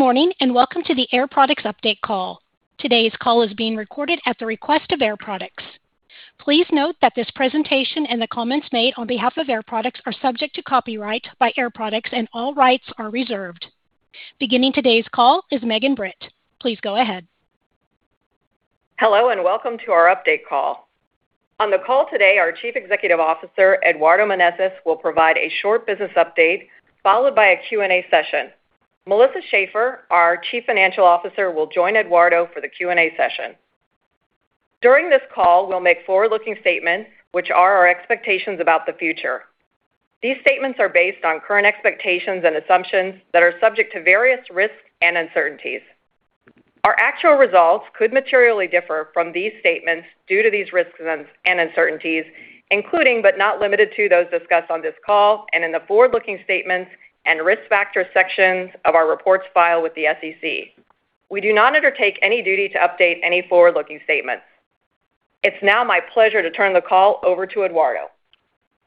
Good morning and welcome to the Air Products Update call. Today's call is being recorded at the request of Air Products. Please note that this presentation and the comments made on behalf of Air Products are subject to copyright by Air Products, and all rights are reserved. Beginning today's call is Megan Britt. Please go ahead. Hello and welcome to our update call. On the call today, our Chief Executive Officer, Eduardo Menezes, will provide a short business update followed by a Q&A session. Melissa Schaeffer, our Chief Financial Officer, will join Eduardo for the Q&A session. During this call, we'll make forward-looking statements, which are our expectations about the future. These statements are based on current expectations and assumptions that are subject to various risks and uncertainties. Our actual results could materially differ from these statements due to these risks and uncertainties, including but not limited to those discussed on this call and in the forward-looking statements and risk factor sections of our reports filed with the SEC. We do not undertake any duty to update any forward-looking statements. It's now my pleasure to turn the call over to Eduardo.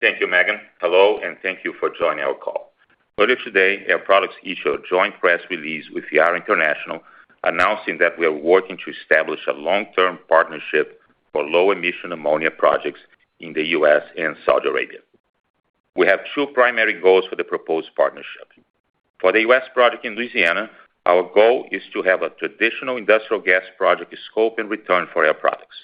Thank you, Megan. Hello, and thank you for joining our call. Earlier today, Air Products issued a joint press release with Yara International, announcing that we are working to establish a long-term partnership for low-emission ammonia projects in the U.S. and Saudi Arabia. We have two primary goals for the proposed partnership. For the U.S. project in Louisiana, our goal is to have a traditional industrial gas project scope and return for Air Products.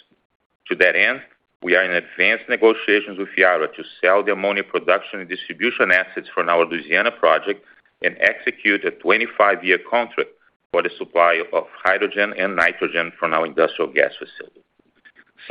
To that end, we are in advanced negotiations with Yara to sell the ammonia production and distribution assets from our Louisiana project and execute a 25-year contract for the supply of hydrogen and nitrogen from our industrial gas facility.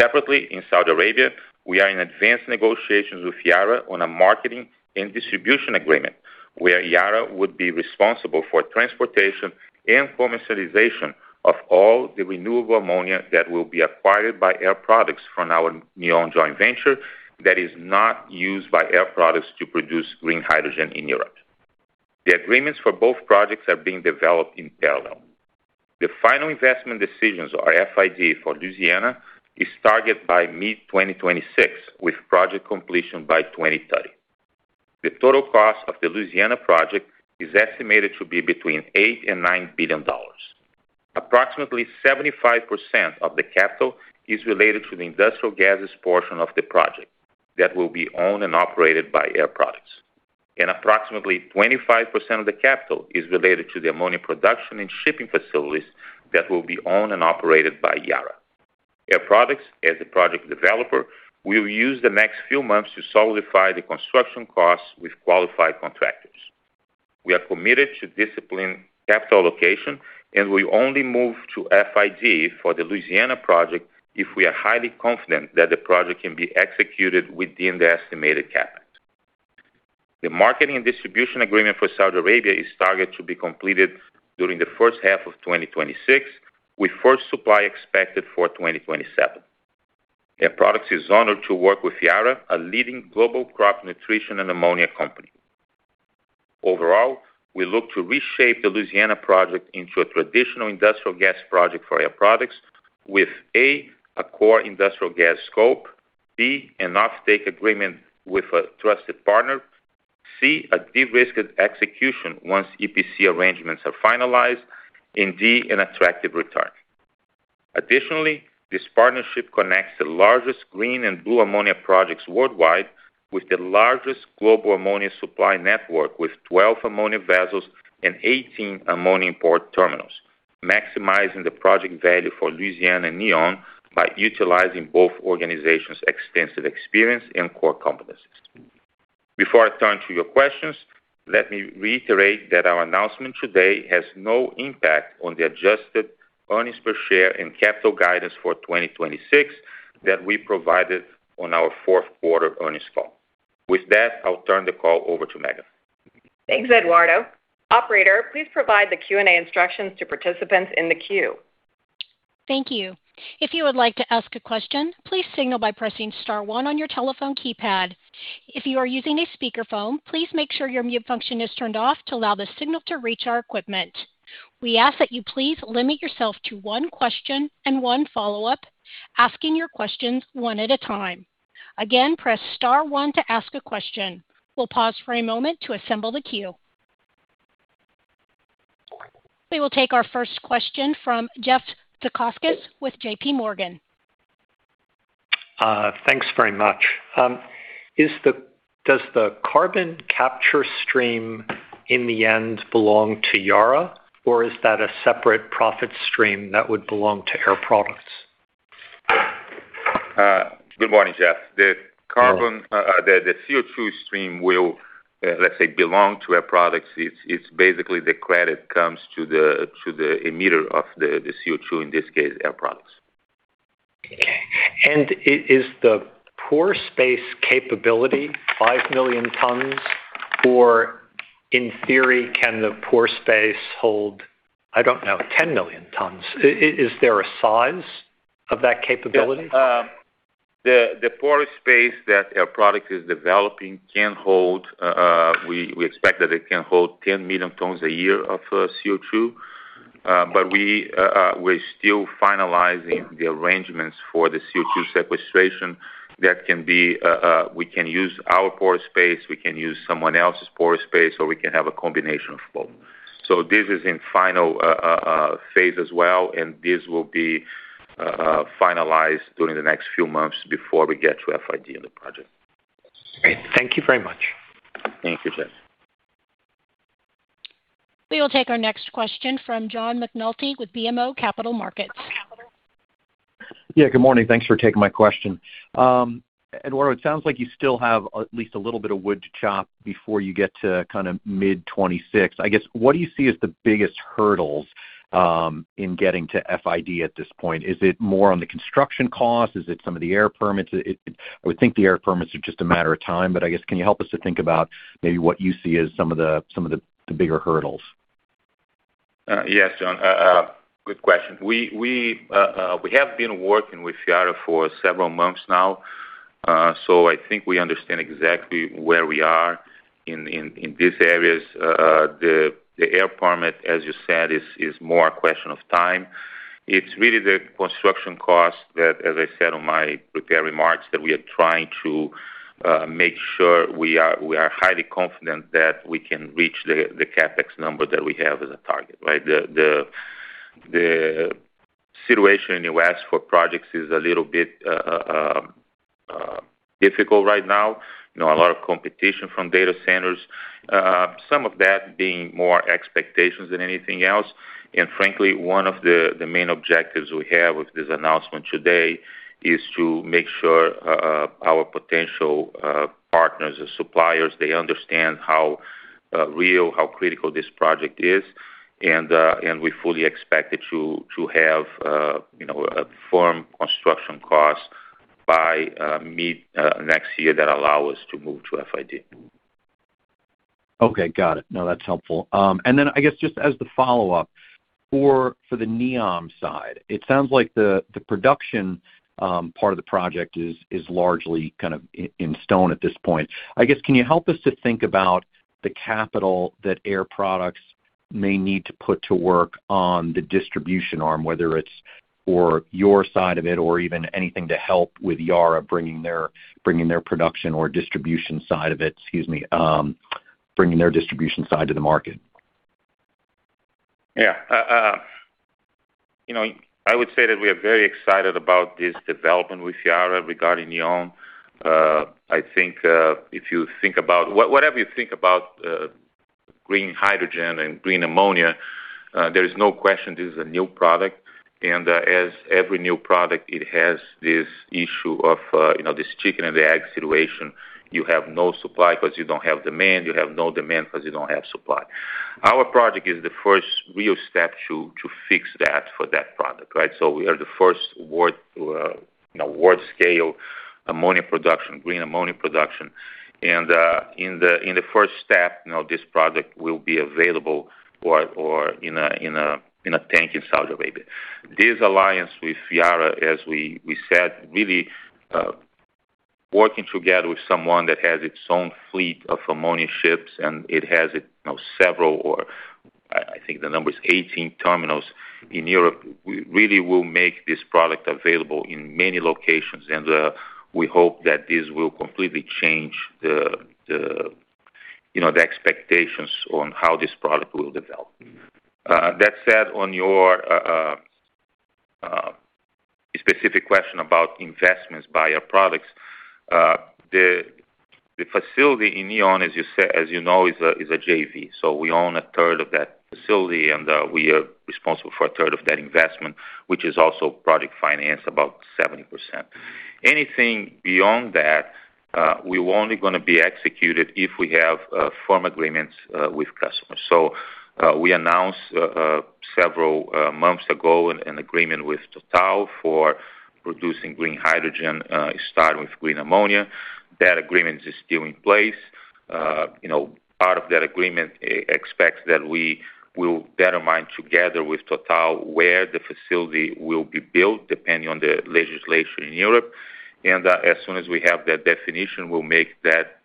Separately, in Saudi Arabia, we are in advanced negotiations with Yara on a marketing and distribution agreement where Yara would be responsible for transportation and commercialization of all the renewable ammonia that will be acquired by Air Products from our NEOM joint venture that is not used by Air Products to produce green hydrogen in Europe. The agreements for both projects are being developed in parallel. The final investment decisions, or FID, for Louisiana is targeted by mid-2026, with project completion by 2030. The total cost of the Louisiana project is estimated to be between $8 billion-$9 billion. Approximately 75% of the capital is related to the industrial gases portion of the project that will be owned and operated by Air Products, and approximately 25% of the capital is related to the ammonia production and shipping facilities that will be owned and operated by Yara. Air Products, as the project developer, will use the next few months to solidify the construction costs with qualified contractors. We are committed to disciplined capital allocation, and we only move to FID for the Louisiana project if we are highly confident that the project can be executed within the estimated cap. The marketing and distribution agreement for Saudi Arabia is targeted to be completed during the first half of 2026, with first supply expected for 2027. Air Products is honored to work with Yara, a leading global crop nutrition and ammonia company. Overall, we look to reshape the Louisiana project into a traditional industrial gas project for Air Products with: A, a core industrial gas scope; B, an offtake agreement with a trusted partner; C, a de-risked execution once EPC arrangements are finalized; and D, an attractive return. Additionally, this partnership connects the largest green and blue ammonia projects worldwide with the largest global ammonia supply network, with 12 ammonia vessels and 18 ammonia port terminals, maximizing the project value for Louisiana and NEOM by utilizing both organizations' extensive experience and core competencies. Before I turn to your questions, let me reiterate that our announcement today has no impact on the adjusted earnings per share and capital guidance for 2026 that we provided on our fourth quarter earnings call. With that, I'll turn the call over to Megan. Thanks, Eduardo. Operator, please provide the Q&A instructions to participants in the queue. Thank you. If you would like to ask a question, please signal by pressing star one on your telephone keypad. If you are using a speakerphone, please make sure your mute function is turned off to allow the signal to reach our equipment. We ask that you please limit yourself to one question and one follow-up, asking your questions one at a time. Again, press star one to ask a question. We'll pause for a moment to assemble the queue. We will take our first question from Jeff Zekauskas with JPMorgan. Thanks very much. Does the carbon capture stream in the end belong to Yara, or is that a separate profit stream that would belong to Air Products? Good morning, Jeff. The CO2 stream will, let's say, belong to Air Products. It's basically the credit that comes to the emitter of the CO2, in this case, Air Products. Okay. And is the pore space capability 5 million tons, or in theory, can the pore space hold, I don't know, 10 million tons? Is there a size of that capability? The pore space that Air Products is developing can hold, we expect that it can hold 10 million tons a year of CO2, but we're still finalizing the arrangements for the CO2 sequestration that can be, we can use our pore space, we can use someone else's pore space, or we can have a combination of both. So this is in final phase as well, and this will be finalized during the next few months before we get to FID on the project. Great. Thank you very much. Thank you, Jeff. We will take our next question from John McNulty with BMO Capital Markets. Yeah, good morning. Thanks for taking my question. Eduardo, it sounds like you still have at least a little bit of wood to chop before you get to kind of mid-26. I guess, what do you see as the biggest hurdles in getting to FID at this point? Is it more on the construction costs? Is it some of the air permits? I would think the air permits are just a matter of time, but I guess, can you help us to think about maybe what you see as some of the bigger hurdles? Yes, John. Good question. We have been working with Yara for several months now, so I think we understand exactly where we are in these areas. The air permit, as you said, is more a question of time. It's really the construction costs that, as I said in my prepared remarks, that we are trying to make sure we are highly confident that we can reach the CapEx number that we have as a target, right? The situation in the US for projects is a little bit difficult right now. A lot of competition from data centers, some of that being more expectations than anything else. Frankly, one of the main objectives we have with this announcement today is to make sure our potential partners and suppliers, they understand how real, how critical this project is, and we fully expect it to have a firm construction cost by mid-next year that allows us to move to FID. Okay. Got it. No, that's helpful. And then, I guess, just as the follow-up for the NEOM side, it sounds like the production part of the project is largely kind of in stone at this point. I guess, can you help us to think about the capital that Air Products may need to put to work on the distribution arm, whether it's for your side of it or even anything to help with Yara bringing their production or distribution side of it, excuse me, bringing their distribution side to the market? Yeah. I would say that we are very excited about this development with Yara regarding NEOM. I think if you think about whatever you think about green hydrogen and green ammonia, there is no question this is a new product. And as every new product, it has this issue of this chicken-and-the-egg situation. You have no supply because you don't have demand. You have no demand because you don't have supply. Our project is the first real step to fix that for that product, right? So we are the first world-scale ammonia production, green ammonia production. And in the first step, this product will be available in a tank in Saudi Arabia. This alliance with Yara, as we said, really working together with someone that has its own fleet of ammonia ships, and it has several - or I think the number is 18 - terminals in Europe really will make this product available in many locations. We hope that this will completely change the expectations on how this product will develop. That said, on your specific question about investments by Air Products, the facility in NEOM, as you know, is a JV. So we own a third of that facility, and we are responsible for a third of that investment, which is also project finance, about 70%. Anything beyond that, we're only going to be executed if we have firm agreements with customers. So we announced several months ago an agreement with Total for producing green hydrogen, starting with green ammonia. That agreement is still in place. Part of that agreement expects that we will determine together with Total where the facility will be built, depending on the legislation in Europe. And as soon as we have that definition, we'll make that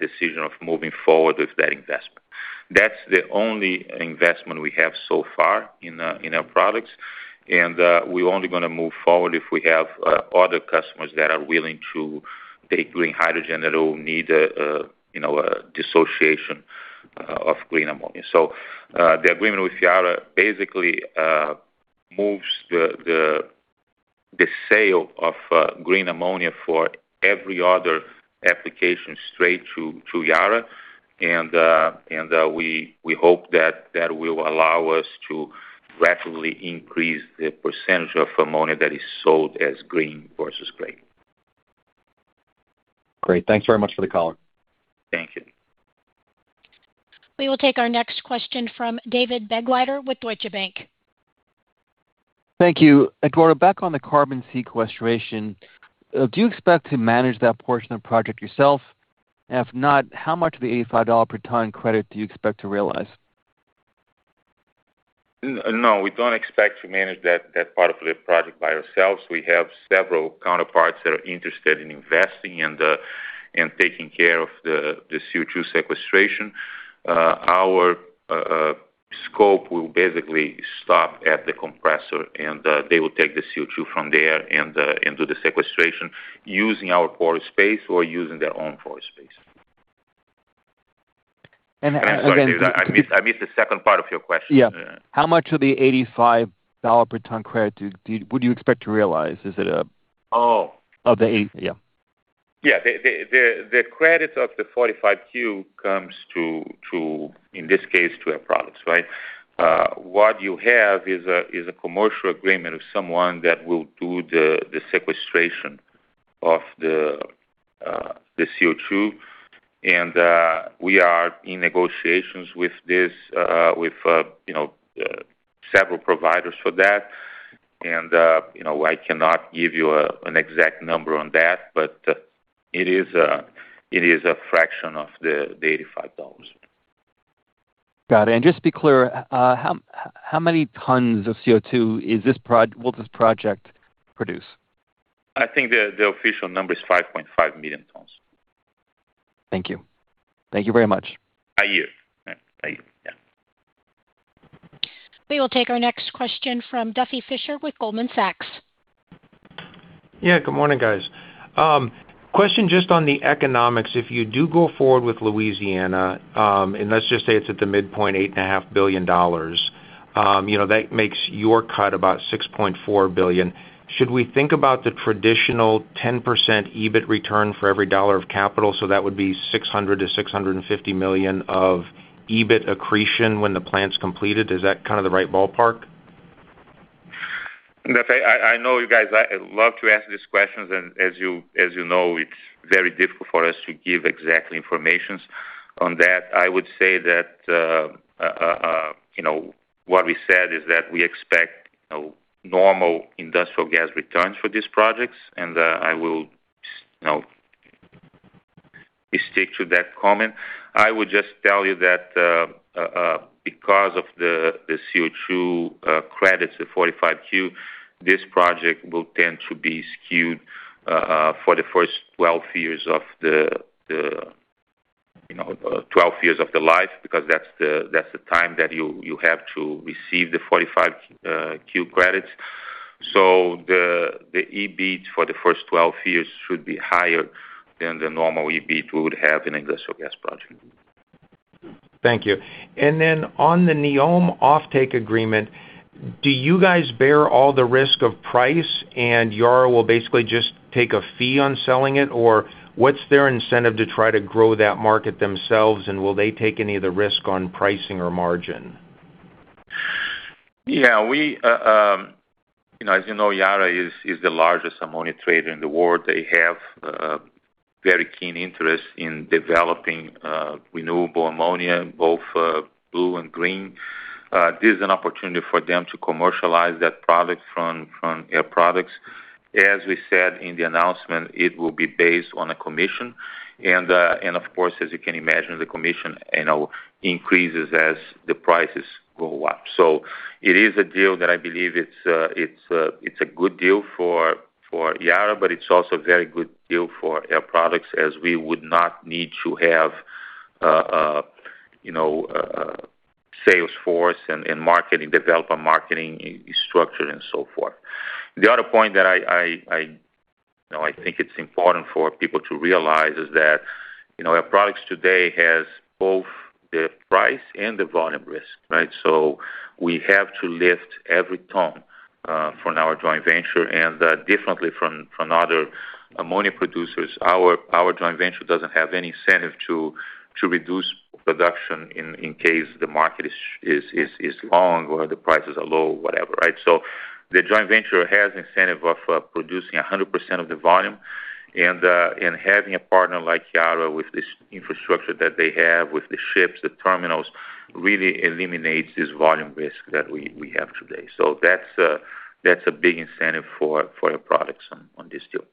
decision of moving forward with that investment. That's the only investment we have so far in Air Products. And we're only going to move forward if we have other customers that are willing to take green hydrogen that will need a dissociation of green ammonia. So the agreement with Yara basically moves the sale of green ammonia for every other application straight to Yara. And we hope that that will allow us to rapidly increase the percentage of ammonia that is sold as green versus gray. Great. Thanks very much for the call. Thank you. We will take our next question from David Begleiter with Deutsche Bank. Thank you. Eduardo, back on the carbon sequestration, do you expect to manage that portion of the project yourself? If not, how much of the $85 per ton credit do you expect to realize? No, we don't expect to manage that part of the project by ourselves. We have several counterparts that are interested in investing and taking care of the CO2 sequestration. Our scope will basically stop at the compressor, and they will take the CO2 from there and do the sequestration using our pore space or using their own pore space. And then. I missed the second part of your question. Yeah. How much of the $85 per ton credit would you expect to realize? Oh. Yeah. Yeah. The credit of the 45Q comes to, in this case, to Air Products, right? What you have is a commercial agreement with someone that will do the sequestration of the CO2. And we are in negotiations with several providers for that. And I cannot give you an exact number on that, but it is a fraction of the $85. Got it. And just to be clear, how many tons of CO2 will this project produce? I think the official number is 5.5 million tons. Thank you. Thank you very much. A year. A year. Yeah. We will take our next question from Duffy Fischer with Goldman Sachs. Yeah. Good morning, guys. Question just on the economics. If you do go forward with Louisiana, and let's just say it's at the midpoint, $8.5 billion, that makes your cut about $6.4 billion. Should we think about the traditional 10% EBIT return for every dollar of capital? So that would be 600 million-650 million of EBIT accretion when the plant's completed. Is that kind of the right ballpark? I know you guys love to ask these questions, and as you know, it's very difficult for us to give exact information on that. I would say that what we said is that we expect normal industrial gas returns for these projects, and I will stick to that comment. I would just tell you that because of the CO2 credits, the 45Q, this project will tend to be skewed for the first 12 years of the 12 years of the life because that's the time that you have to receive the 45Q credits, so the EBIT for the first 12 years should be higher than the normal EBIT we would have in an industrial gas project. Thank you. And then on the NEOM offtake agreement, do you guys bear all the risk of price, and Yara will basically just take a fee on selling it? Or what's their incentive to try to grow that market themselves, and will they take any of the risk on pricing or margin? Yeah. As you know, Yara is the largest ammonia trader in the world. They have very keen interest in developing renewable ammonia, both blue and green. This is an opportunity for them to commercialize that product from Air Products. As we said in the announcement, it will be based on a commission. And of course, as you can imagine, the commission increases as the prices go up. So it is a deal that I believe it's a good deal for Yara, but it's also a very good deal for Air Products as we would not need to have sales force and marketing, develop a marketing structure and so forth. The other point that I think it's important for people to realize is that Air Products today has both the price and the volume risk, right? So we have to lift every ton from our joint venture. Differently from other ammonia producers, our joint venture doesn't have any incentive to reduce production in case the market is long or the prices are low, whatever, right? The joint venture has incentive of producing 100% of the volume. Having a partner like Yara with this infrastructure that they have with the ships, the terminals, really eliminates this volume risk that we have today. That's a big incentive for Air Products on this deal.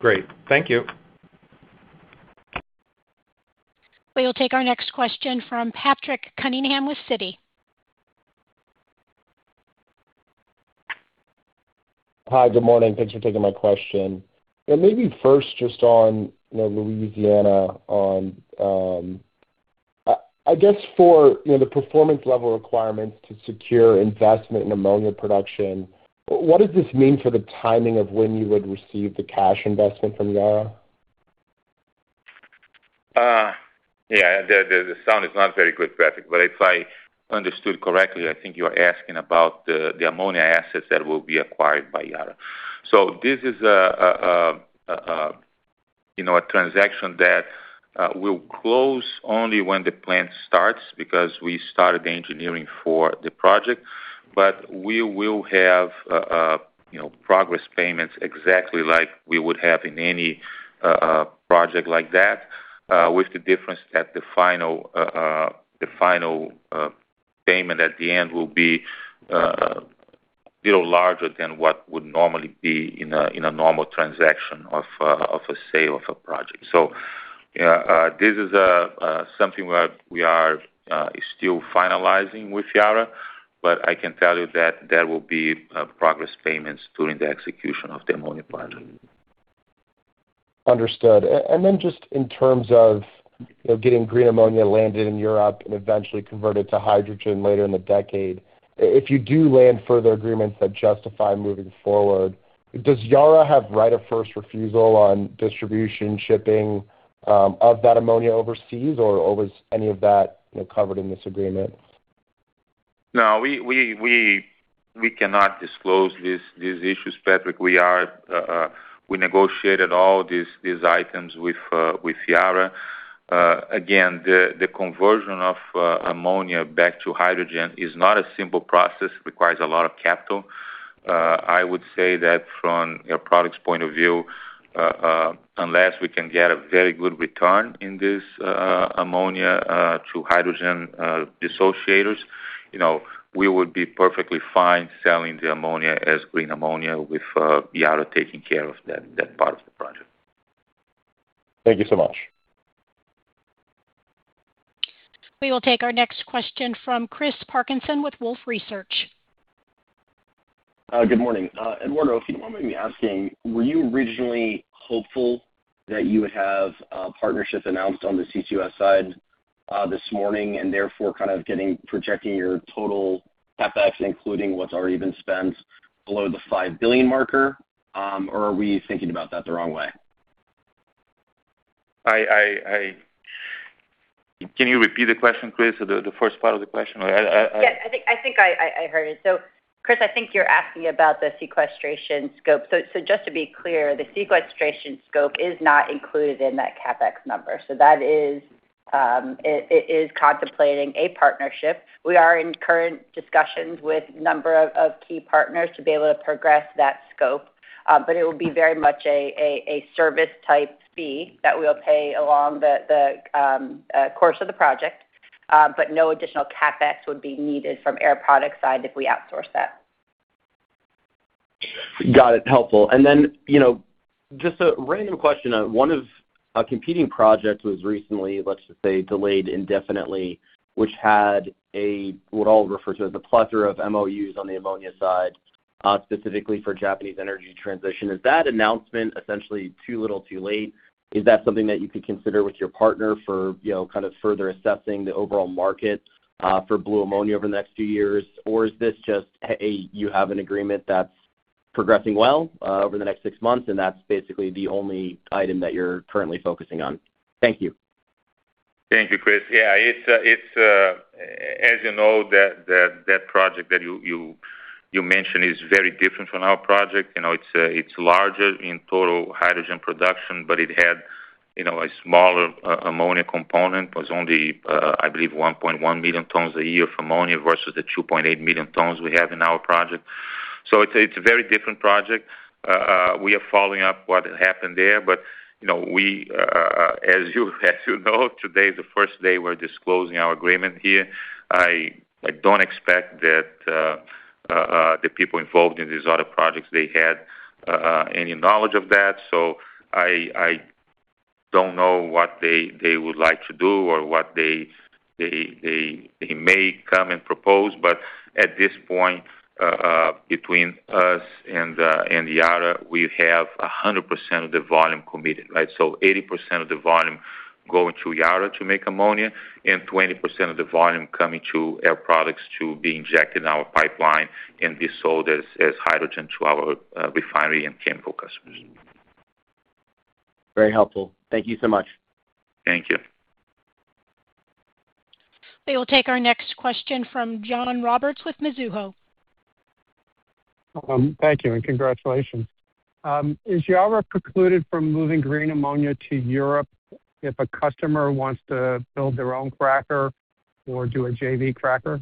Great. Thank you. We will take our next question from Patrick Cunningham with Citi. Hi. Good morning. Thanks for taking my question, and maybe first just on Louisiana, I guess for the performance level requirements to secure investment in ammonia production. What does this mean for the timing of when you would receive the cash investment from Yara? Yeah. The sound is not very good, Patrick, but if I understood correctly, I think you are asking about the ammonia assets that will be acquired by Yara. So this is a transaction that will close only when the plant starts because we started the engineering for the project. But we will have progress payments exactly like we would have in any project like that, with the difference that the final payment at the end will be a little larger than what would normally be in a normal transaction of a sale of a project. So this is something we are still finalizing with Yara, but I can tell you that there will be progress payments during the execution of the ammonia project. Understood. And then just in terms of getting green ammonia landed in Europe and eventually converted to hydrogen later in the decade, if you do land further agreements that justify moving forward, does Yara have right of first refusal on distribution shipping of that ammonia overseas, or was any of that covered in this agreement? No. We cannot disclose these issues, Patrick. We negotiated all these items with Yara. Again, the conversion of ammonia back to hydrogen is not a simple process. It requires a lot of capital. I would say that from Air Products' point of view, unless we can get a very good return in this ammonia to hydrogen dissociators, we would be perfectly fine selling the ammonia as green ammonia with Yara taking care of that part of the project. Thank you so much. We will take our next question from Chris Parkinson with Wolfe Research. Good morning. Eduardo, if you don't mind me asking, were you originally hopeful that you would have a partnership announced on the CCUS side this morning and therefore kind of projecting your total CapEx, including what's already been spent, below the $5 billion marker? Or are we thinking about that the wrong way? Can you repeat the question, Chris, the first part of the question? Yes. I think I heard it. So, Chris, I think you're asking about the sequestration scope. So, just to be clear, the sequestration scope is not included in that CapEx number. So, it is contemplating a partnership. We are in current discussions with a number of key partners to be able to progress that scope. But, it will be very much a service-type fee that we'll pay along the course of the project. But, no additional CapEx would be needed from Air Products' side if we outsource that. Got it. Helpful. And then just a random question. One of our competing projects was recently, let's just say, delayed indefinitely, which had what I'll refer to as a plethora of MOUs on the ammonia side, specifically for Japanese energy transition. Is that announcement essentially too little, too late? Is that something that you could consider with your partner for kind of further assessing the overall market for blue ammonia over the next few years? Or is this just, hey, you have an agreement that's progressing well over the next six months, and that's basically the only item that you're currently focusing on? Thank you. Thank you, Chris. Yeah. As you know, that project that you mentioned is very different from our project. It's larger in total hydrogen production, but it had a smaller ammonia component. It was only, I believe, 1.1 million tons a year of ammonia versus the 2.8 million tons we have in our project. So it's a very different project. We are following up what happened there. But as you know, today is the first day we're disclosing our agreement here. I don't expect that the people involved in these other projects, they had any knowledge of that. So I don't know what they would like to do or what they may come and propose. But at this point, between us and Yara, we have 100% of the volume committed, right? 80% of the volume going to Yara to make ammonia and 20% of the volume coming to Air Products to be injected in our pipeline and be sold as hydrogen to our refinery and chemical customers. Very helpful. Thank you so much. Thank you. We will take our next question from John Roberts with Mizuho. Thank you, and congratulations. Is Yara precluded from moving green ammonia to Europe if a customer wants to build their own cracker or do a JV cracker?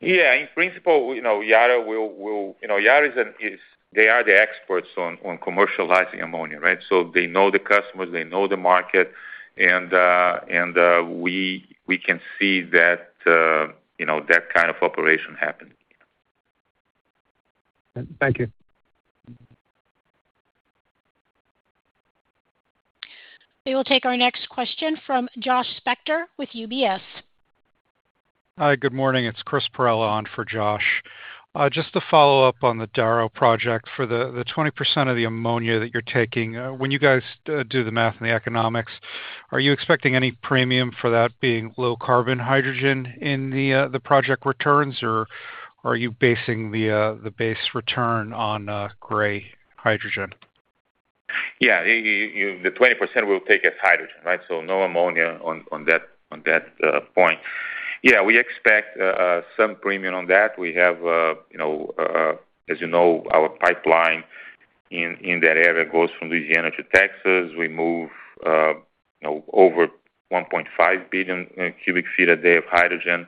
Yeah. In principle, Yara, well, they are the experts on commercializing ammonia, right, so they know the customers. They know the market, and we can see that that kind of operation happens. Thank you. We will take our next question from Josh Spector with UBS. Hi. Good morning. It's Chris Perrella on for Josh. Just to follow up on the Darrow project, for the 20% of the ammonia that you're taking, when you guys do the math and the economics, are you expecting any premium for that being low-carbon hydrogen in the project returns, or are you basing the base return on gray hydrogen? Yeah. The 20% we'll take as hydrogen, right? So no ammonia on that point. Yeah. We expect some premium on that. We have, as you know, our pipeline in that area goes from Louisiana to Texas. We move over 1.5 billion cubic feet a day of hydrogen.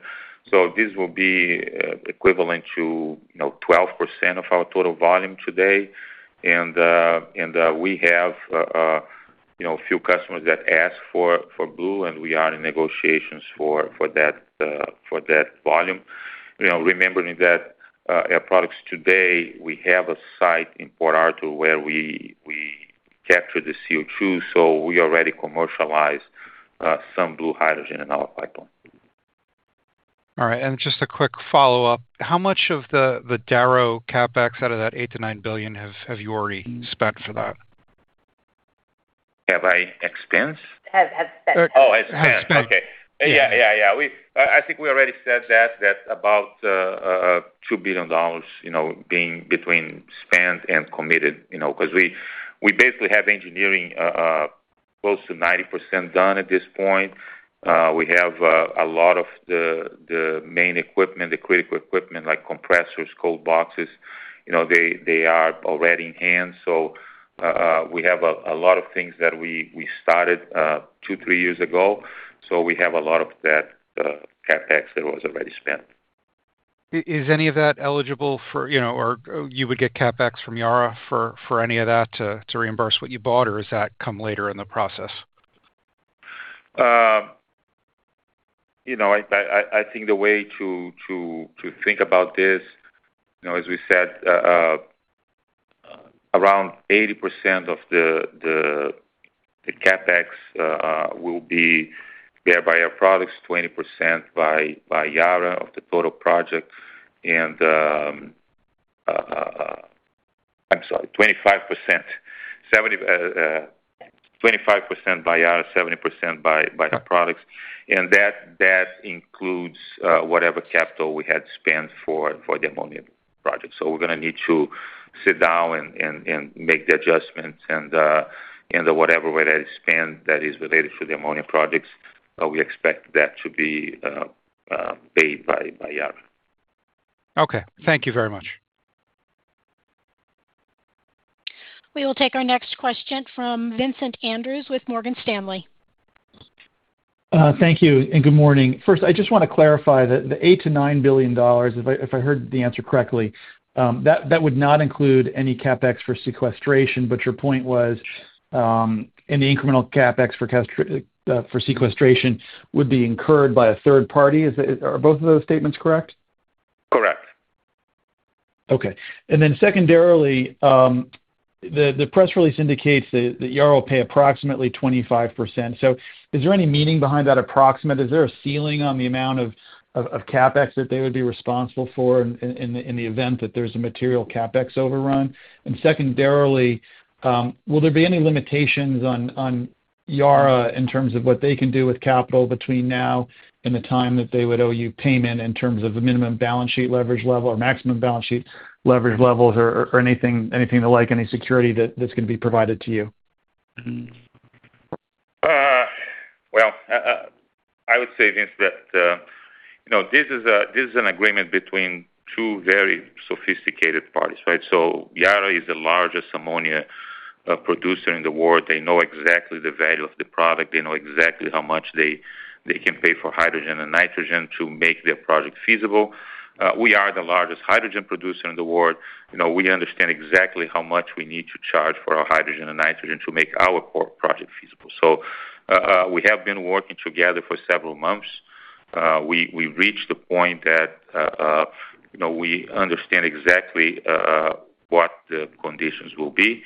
So this will be equivalent to 12% of our total volume today. And we have a few customers that ask for blue, and we are in negotiations for that volume. Remembering that Air Products today, we have a site in Port Arthur where we capture the CO2. So we already commercialize some blue hydrogen in our pipeline. All right. And just a quick follow-up. How much of the Darrow CapEx out of that $8 billion-$9 billion have you already spent for that? Have I expensed? Have spent. I think we already said that about $2 billion being between spent and committed because we basically have engineering close to 90% done at this point. We have a lot of the main equipment, the critical equipment, like compressors, cold boxes. They are already in hand. So we have a lot of things that we started two, three years ago. So we have a lot of that CapEx that was already spent. Is any of that eligible for or you would get CapEx from Yara for any of that to reimburse what you bought, or does that come later in the process? I think the way to think about this, as we said, around 80% of the CapEx will be there by Air Products, 20% by Yara of the total project, and I'm sorry, 25% by Yara, 70% by Air Products, and that includes whatever capital we had spent for the ammonia project, so we're going to need to sit down and make the adjustments, and whatever way that is spent that is related to the ammonia projects, we expect that to be paid by Yara. Okay. Thank you very much. We will take our next question from Vincent Andrews with Morgan Stanley. Thank you and good morning. First, I just want to clarify that the $8billion-$9 billion, if I heard the answer correctly, that would not include any CapEx for sequestration, but your point was any incremental CapEx for sequestration would be incurred by a third party. Are both of those statements correct? Correct. Okay. And then secondarily, the press release indicates that Yara will pay approximately 25%. So is there any meaning behind that approximate? Is there a ceiling on the amount of CapEx that they would be responsible for in the event that there's a material CapEx overrun? And secondarily, will there be any limitations on Yara in terms of what they can do with capital between now and the time that they would owe you payment in terms of the minimum balance sheet leverage level or maximum balance sheet leverage levels or anything like any security that's going to be provided to you? I would say this is an agreement between two very sophisticated parties, right? Yara is the largest ammonia producer in the world. They know exactly the value of the product. They know exactly how much they can pay for hydrogen and nitrogen to make their project feasible. We are the largest hydrogen producer in the world. We understand exactly how much we need to charge for our hydrogen and nitrogen to make our project feasible. We have been working together for several months. We reached the point that we understand exactly what the conditions will be.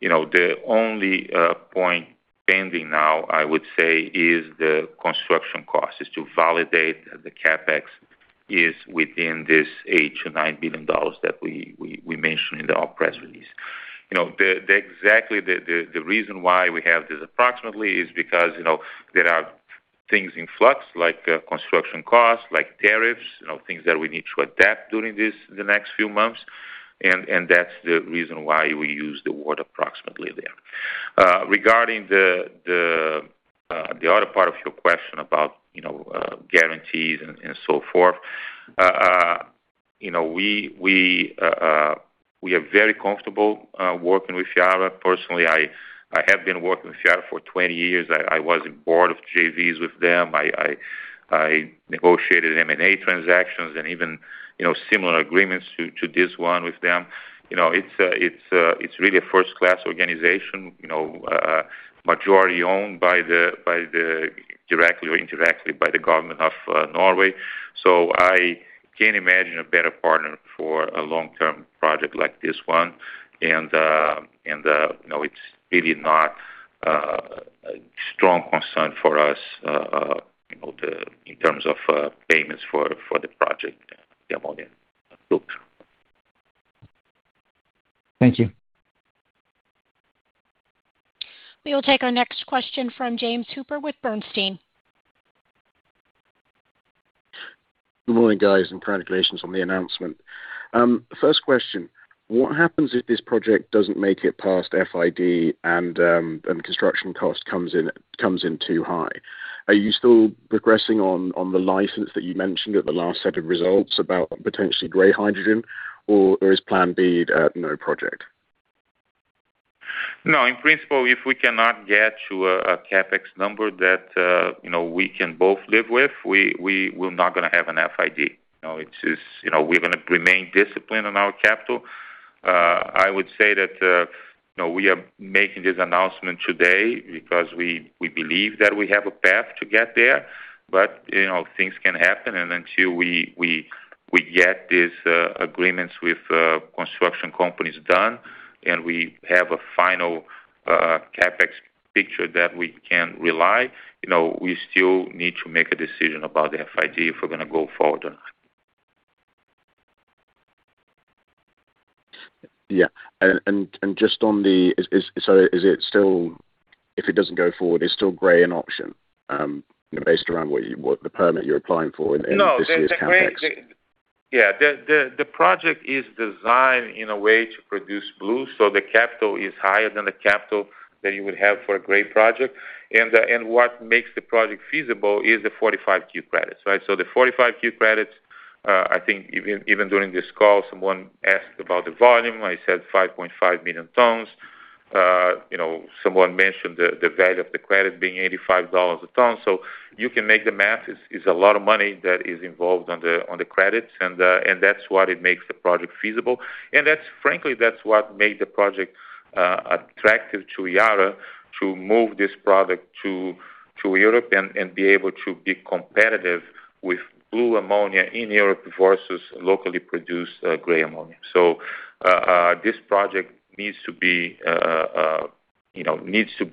The only point pending now, I would say, is the construction costs to validate that the CapEx is within this $8 billion-$9 billion that we mentioned in our press release. Exactly the reason why we have this approximately is because there are things in flux like construction costs, like tariffs, things that we need to adapt during the next few months. And that's the reason why we use the word approximately there. Regarding the other part of your question about guarantees and so forth, we are very comfortable working with Yara. Personally, I have been working with Yara for 20 years. I was in board of JVs with them. I negotiated M&A transactions and even similar agreements to this one with them. It's really a first-class organization, majority owned directly or indirectly by the Government of Norway. So I can't imagine a better partner for a long-term project like this one. And it's really not a strong concern for us in terms of payments for the project, the ammonia books. Thank you. We will take our next question from James Hooper with Bernstein. Good morning, guys, and congratulations on the announcement. First question, what happens if this project doesn't make it past FID and the construction cost comes in too high? Are you still progressing on the license that you mentioned at the last set of results about potentially gray hydrogen, or is plan B no project? No. In principle, if we cannot get to a CapEx number that we can both live with, we're not going to have an FID. We're going to remain disciplined on our capital. I would say that we are making this announcement today because we believe that we have a path to get there. But things can happen. And until we get these agreements with construction companies done and we have a final CapEx picture that we can rely, we still need to make a decision about the FID if we're going to go forward or not. Yeah. And just on the, is it still, if it doesn't go forward, is still gray an option based around the permit you're applying for in this year's CapEx? No. Yeah. The project is designed in a way to produce blue. So the capital is higher than the capital that you would have for a gray project. And what makes the project feasible is the 45Q credits, right? So the 45Q credits, I think even during this call, someone asked about the volume. I said 5.5 million tons. Someone mentioned the value of the credit being $85 a ton. So you can make the math. It's a lot of money that is involved on the credits. And that's what makes the project feasible. And frankly, that's what made the project attractive to Yara to move this product to Europe and be able to be competitive with blue ammonia in Europe versus locally produced gray ammonia. So this project needs to be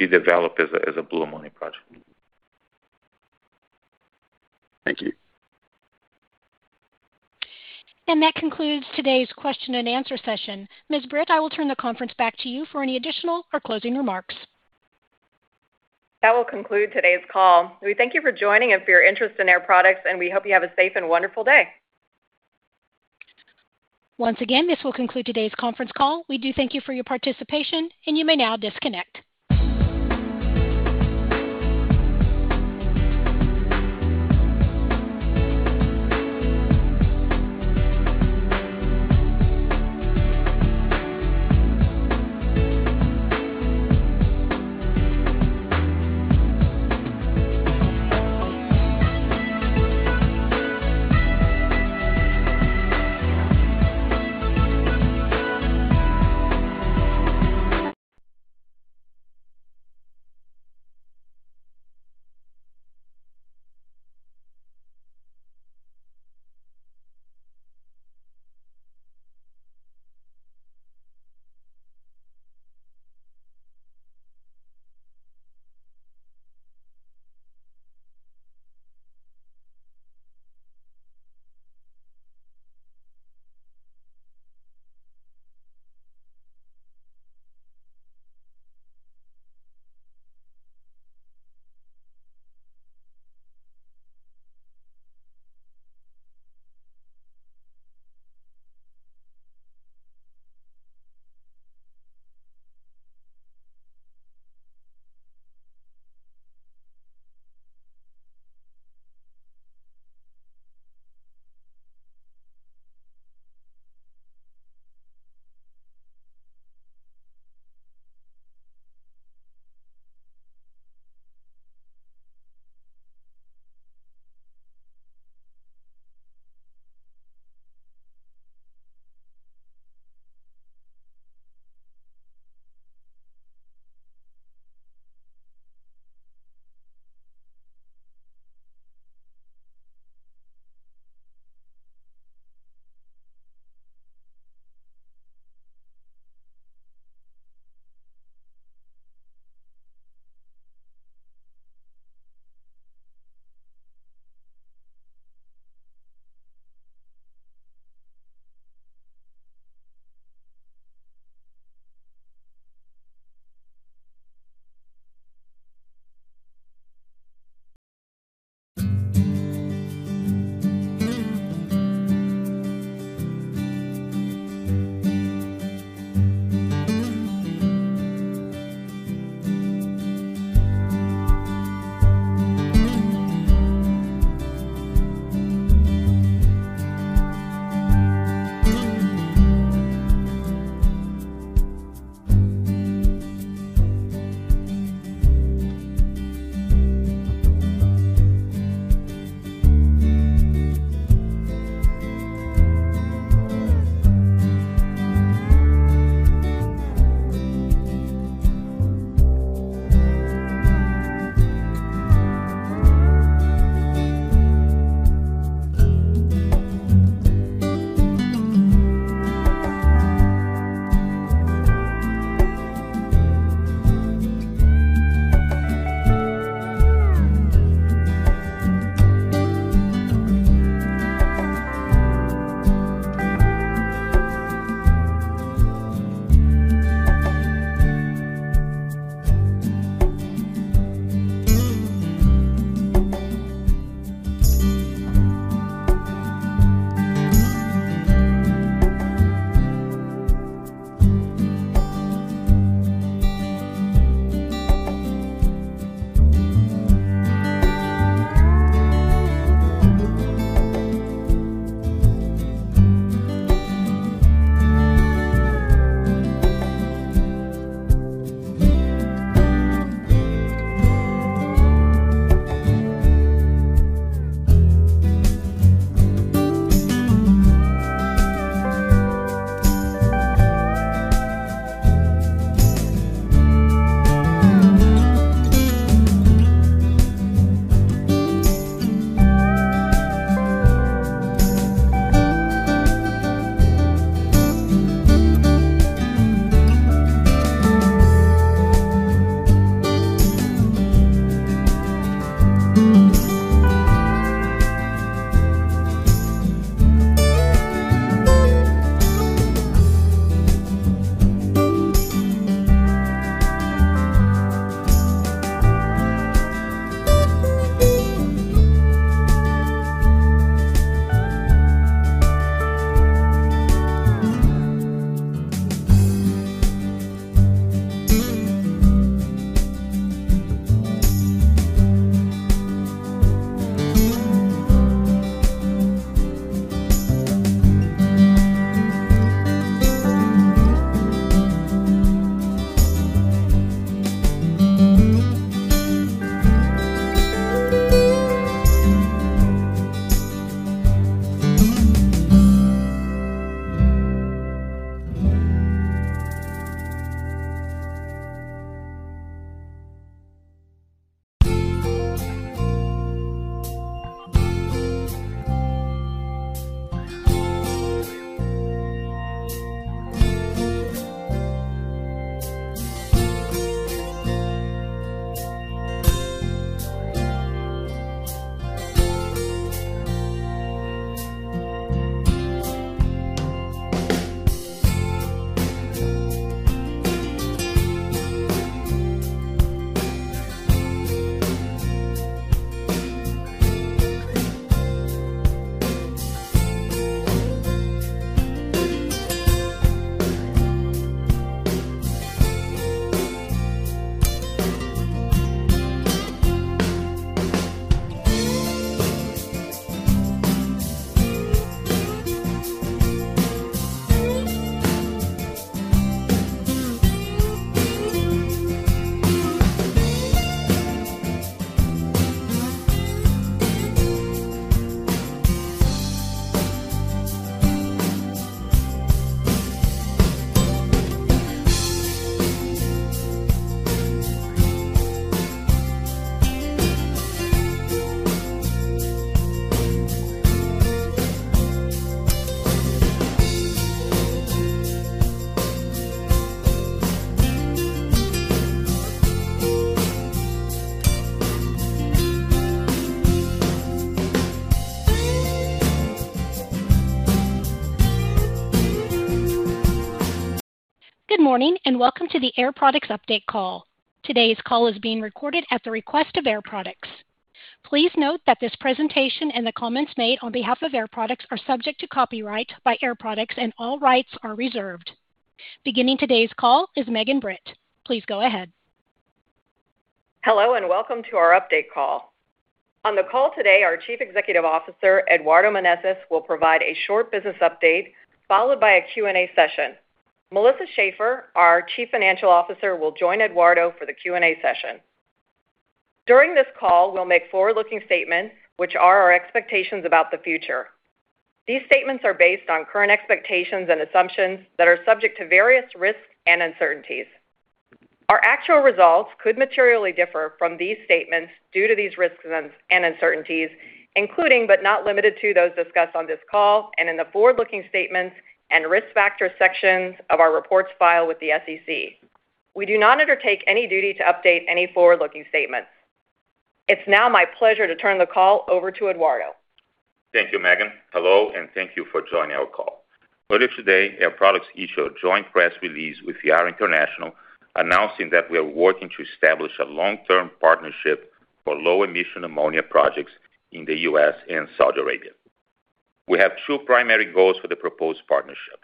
developed as a blue ammonia project. Thank you. That concludes today's question and answer session. Ms. Britt, I will turn the conference back to you for any additional or closing remarks. That will conclude today's call. We thank you for joining and for your interest in Air Products. And we hope you have a safe and wonderful day. Once again, this will conclude today's conference call. We do thank you for your participation. And you may now disconnect. Good morning and welcome to the Air Products update call. Today's call is being recorded at the request of Air Products. Please note that this presentation and the comments made on behalf of Air Products are subject to copyright by Air Products, and all rights are reserved. Beginning today's call is Megan Britt. Please go ahead. Hello and welcome to our update call. On the call today, our Chief Executive Officer, Eduardo Menezes, will provide a short business update followed by a Q&A session. Melissa Schaeffer, our Chief Financial Officer, will join Eduardo for the Q&A session. During this call, we'll make forward-looking statements, which are our expectations about the future. These statements are based on current expectations and assumptions that are subject to various risks and uncertainties. Our actual results could materially differ from these statements due to these risks and uncertainties, including but not limited to those discussed on this call and in the forward-looking statements and risk factor sections of our reports file with the SEC. We do not undertake any duty to update any forward-looking statements. It's now my pleasure to turn the call over to Eduardo. Thank you, Megan. Hello, and thank you for joining our call. Earlier today, Air Products issued a joint press release with Yara International announcing that we are working to establish a long-term partnership for low-emission ammonia projects in the U.S. and Saudi Arabia. We have two primary goals for the proposed partnership.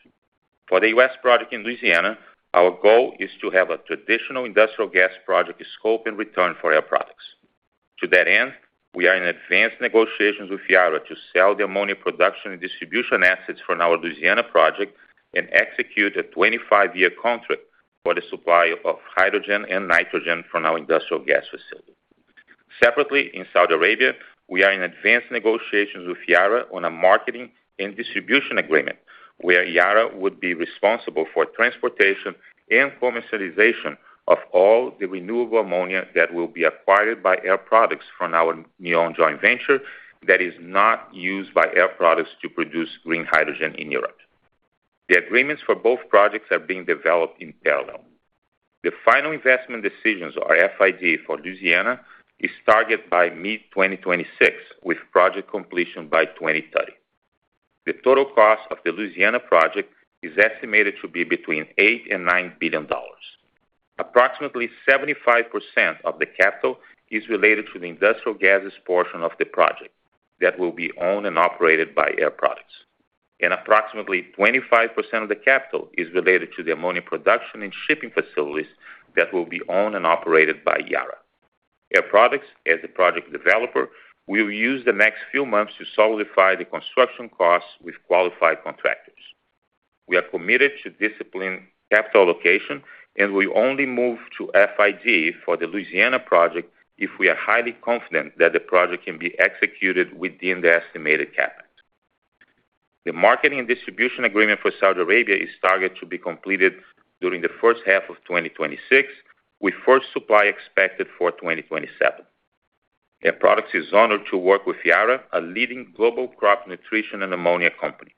For the U.S. project in Louisiana, our goal is to have a traditional industrial gas project scope and return for Air Products. To that end, we are in advanced negotiations with Yara to sell the ammonia production and distribution assets for our Louisiana project and execute a 25-year contract for the supply of hydrogen and nitrogen from our industrial gas facility. Separately, in Saudi Arabia, we are in advanced negotiations with Yara on a marketing and distribution agreement where Yara would be responsible for transportation and commercialization of all the renewable ammonia that will be acquired by Air Products from our NEOM joint venture that is not used by Air Products to produce green hydrogen in Europe. The agreements for both projects are being developed in parallel. The final investment decisions or FID for Louisiana is targeted by mid-2026, with project completion by 2030. The total cost of the Louisiana project is estimated to be between $8 billion and $9 billion. Approximately 75% of the capital is related to the industrial gas portion of the project that will be owned and operated by Air Products. Approximately 25% of the capital is related to the ammonia production and shipping facilities that will be owned and operated by Yara. Air Products, as a project developer, will use the next few months to solidify the construction costs with qualified contractors. We are committed to disciplined capital allocation, and we only move to FID for the Louisiana project if we are highly confident that the project can be executed within the estimated cap. The marketing and distribution agreement for Saudi Arabia is targeted to be completed during the first half of 2026, with first supply expected for 2027. Air Products is honored to work with Yara, a leading global crop nutrition and ammonia company.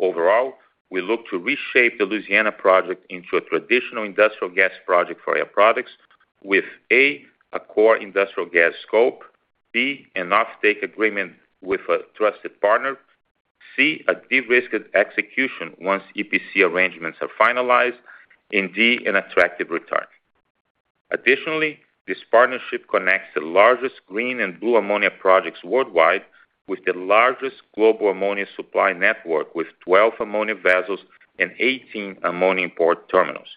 Overall, we look to reshape the Louisiana project into a traditional industrial gas project for Air Products with, A, a core industrial gas scope, B, an offtake agreement with a trusted partner, C, a de-risked execution once EPC arrangements are finalized, and D, an attractive return. Additionally, this partnership connects the largest green and blue ammonia projects worldwide with the largest global ammonia supply network with 12 ammonia vessels and 18 ammonia port terminals,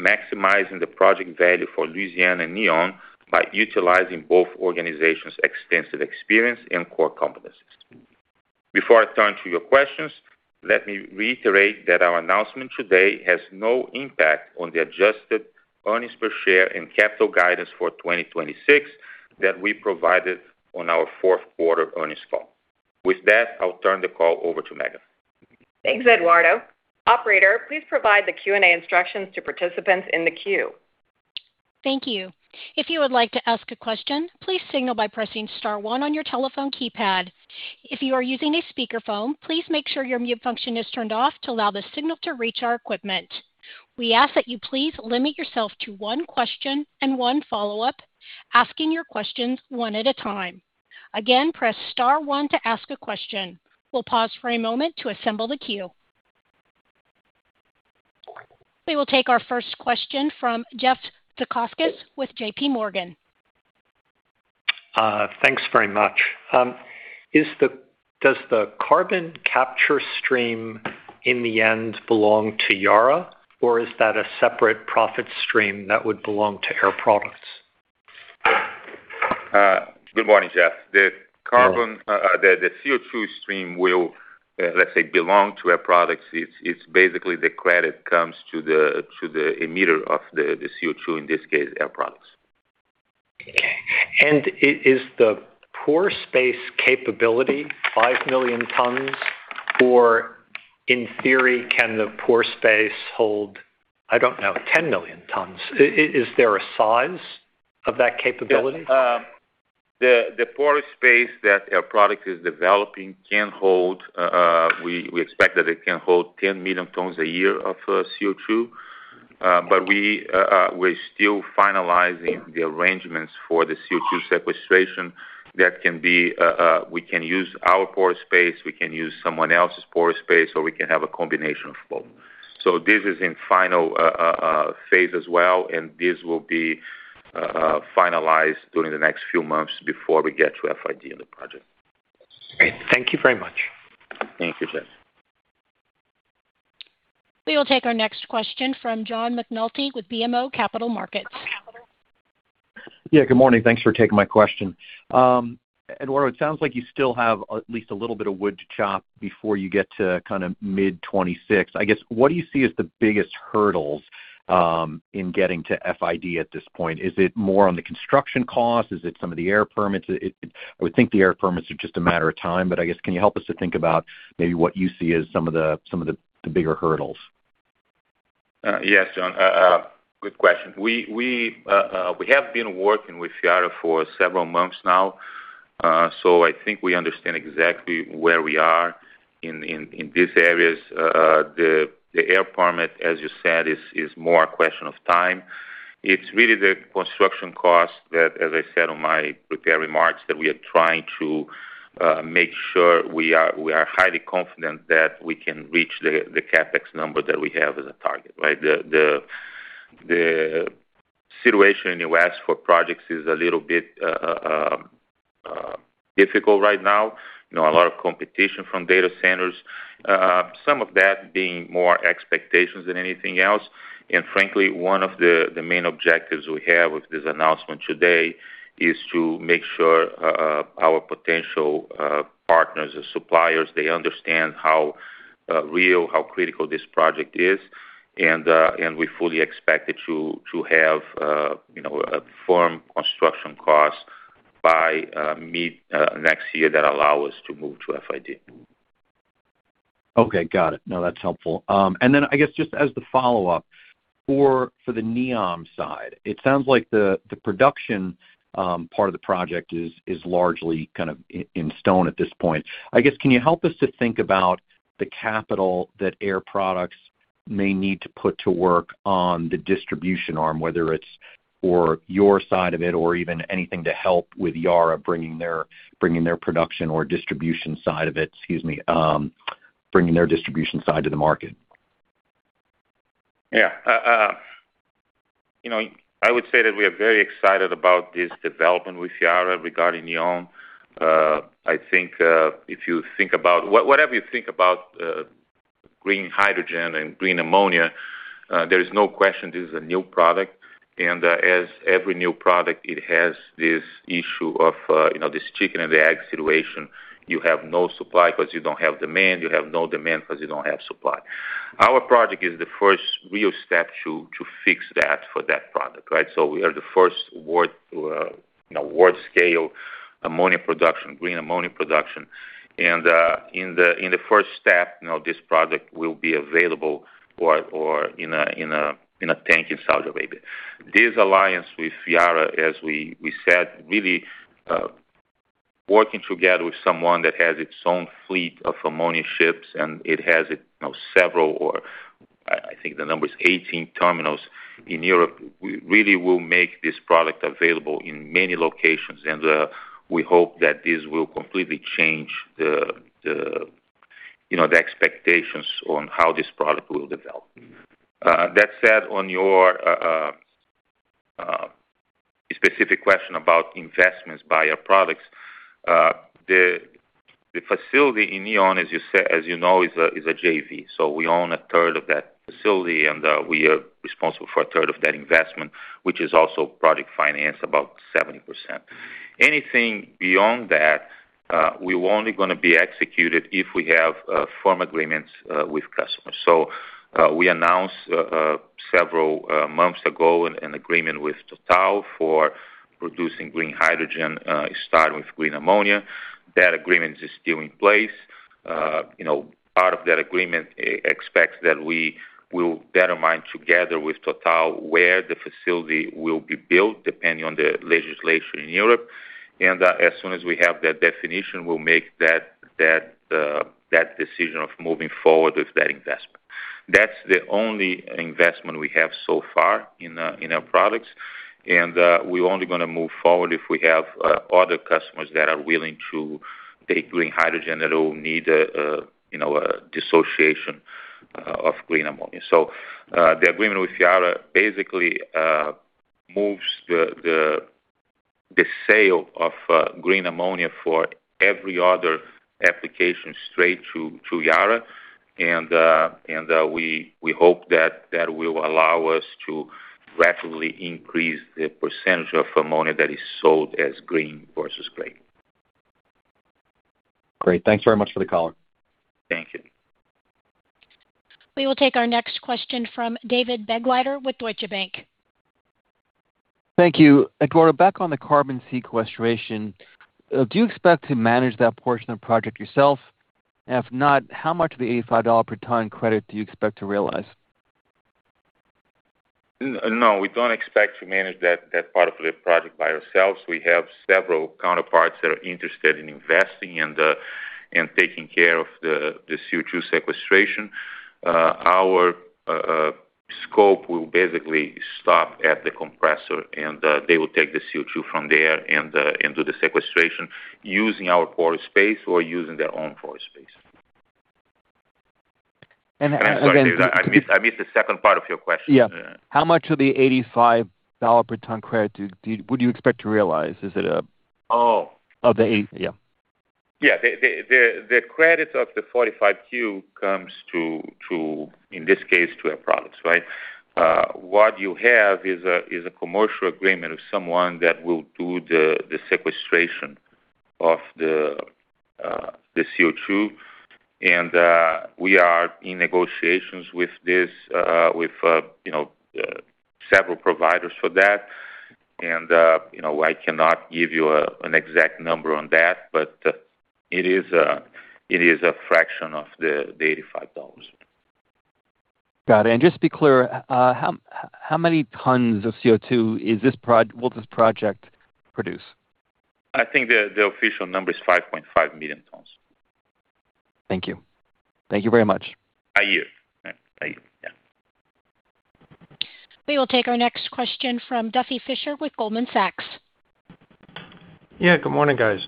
maximizing the project value for Louisiana and NEOM by utilizing both organizations' extensive experience and core competencies. Before I turn to your questions, let me reiterate that our announcement today has no impact on the adjusted earnings per share and capital guidance for 2026 that we provided on our fourth quarter earnings call. With that, I'll turn the call over to Megan. Thanks, Eduardo. Operator, please provide the Q&A instructions to participants in the queue. Thank you. If you would like to ask a question, please signal by pressing star one on your telephone keypad. If you are using a speakerphone, please make sure your mute function is turned off to allow the signal to reach our equipment. We ask that you please limit yourself to one question and one follow-up, asking your questions one at a time. Again, press star one to ask a question. We'll pause for a moment to assemble the queue. We will take our first question from Jeff Zekauskas with J.P. Morgan. Thanks very much. Does the carbon capture stream in the end belong to Yara, or is that a separate profit stream that would belong to Air Products? Good morning, Jeff. The CO2 stream will, let's say, belong to Air Products. It's basically the credit that comes to the emitter of the CO2, in this case, Air Products. Okay. And is the pore space capability five million tons, or in theory, can the pore space hold, I don't know, 10 million tons? Is there a size of that capability? The pore space that Air Products is developing can hold. We expect that it can hold 10 million tons a year of CO2. But we're still finalizing the arrangements for the CO2 sequestration that can be. We can use our pore space, we can use someone else's pore space, or we can have a combination of both. So this is in final phase as well, and this will be finalized during the next few months before we get to FID on the project. Great. Thank you very much. Thank you, Jeff. We will take our next question from John McNulty with BMO Capital Markets. Yeah, good morning. Thanks for taking my question. Eduardo, it sounds like you still have at least a little bit of wood to chop before you get to kind of mid-26. I guess, what do you see as the biggest hurdles in getting to FID at this point? Is it more on the construction cost? Is it some of the air permits? I would think the air permits are just a matter of time, but I guess, can you help us to think about maybe what you see as some of the bigger hurdles? Yes, John. Good question. We have been working with Yara for several months now, so I think we understand exactly where we are in these areas. The air permit, as you said, is more a question of time. It's really the construction cost that, as I said in my prepared remarks, that we are trying to make sure we are highly confident that we can reach the CapEx number that we have as a target, right? The situation in the US for projects is a little bit difficult right now. A lot of competition from data centers, some of that being more expectations than anything else. And frankly, one of the main objectives we have with this announcement today is to make sure our potential partners and suppliers, they understand how real, how critical this project is. We fully expect it to have a firm construction cost by mid-next year that allows us to move to FID. Okay. Got it. No, that's helpful. And then, I guess, just as the follow-up for the NEOM side, it sounds like the production part of the project is largely kind of in stone at this point. I guess, can you help us to think about the capital that Air Products may need to put to work on the distribution arm, whether it's for your side of it or even anything to help with Yara bringing their production or distribution side of it, excuse me, bringing their distribution side to the market? Yeah. I would say that we are very excited about this development with Yara regarding NEOM. I think if you think about whatever you think about green hydrogen and green ammonia, there is no question this is a new product, and as every new product, it has this issue of this chicken and the egg situation. You have no supply because you don't have demand. You have no demand because you don't have supply. Our project is the first real step to fix that for that product, right, so we are the first world-scale ammonia production, green ammonia production, and in the first step, this product will be available in a tank in Saudi Arabia. This alliance with Yara, as we said, really working together with someone that has its own fleet of ammonia ships, and it has several, or I think the number is 18 terminals in Europe, really will make this product available in many locations, and we hope that this will completely change the expectations on how this product will develop. That said, on your specific question about investments by Air Products, the facility in NEOM, as you know, is a JV. So we own a third of that facility, and we are responsible for a third of that investment, which is also project finance, about 70%. Anything beyond that, we're only going to be executed if we have firm agreements with customers, so we announced several months ago an agreement with Total for producing green hydrogen, starting with green ammonia. That agreement is still in place. Part of that agreement expects that we will determine together with Total where the facility will be built, depending on the legislation in Europe. And as soon as we have that definition, we'll make that decision of moving forward with that investment. That's the only investment we have so far in Air Products. And we're only going to move forward if we have other customers that are willing to take green hydrogen that will need a dissociation of green ammonia. So the agreement with Yara basically moves the sale of green ammonia for every other application straight to Yara. And we hope that will allow us to rapidly increase the percentage of ammonia that is sold as green versus gray. Great. Thanks very much for the call. Thank you. We will take our next question from David Begleiter with Deutsche Bank. Thank you. Eduardo, back on the carbon sequestration, do you expect to manage that portion of the project yourself? If not, how much of the $85 per ton credit do you expect to realize? No, we don't expect to manage that part of the project by ourselves. We have several counterparts that are interested in investing and taking care of the CO2 sequestration. Our scope will basically stop at the compressor, and they will take the CO2 from there and do the sequestration using our pore space or using their own pore space. And then. I missed the second part of your question. Yeah. How much of the $85 per ton credit would you expect to realize? Is it of the? Oh. Yeah. Yeah. The credit of the 45Q comes to, in this case, to Air Products, right? What you have is a commercial agreement with someone that will do the sequestration of the CO2. And we are in negotiations with several providers for that. And I cannot give you an exact number on that, but it is a fraction of the $85. Got it, and just to be clear, how many tons of CO2 will this project produce? I think the official number is 5.5 million tons. Thank you. Thank you very much. By year. By year. Yeah. We will take our next question from Duffy Fischer with Goldman Sachs. Yeah. Good morning, guys.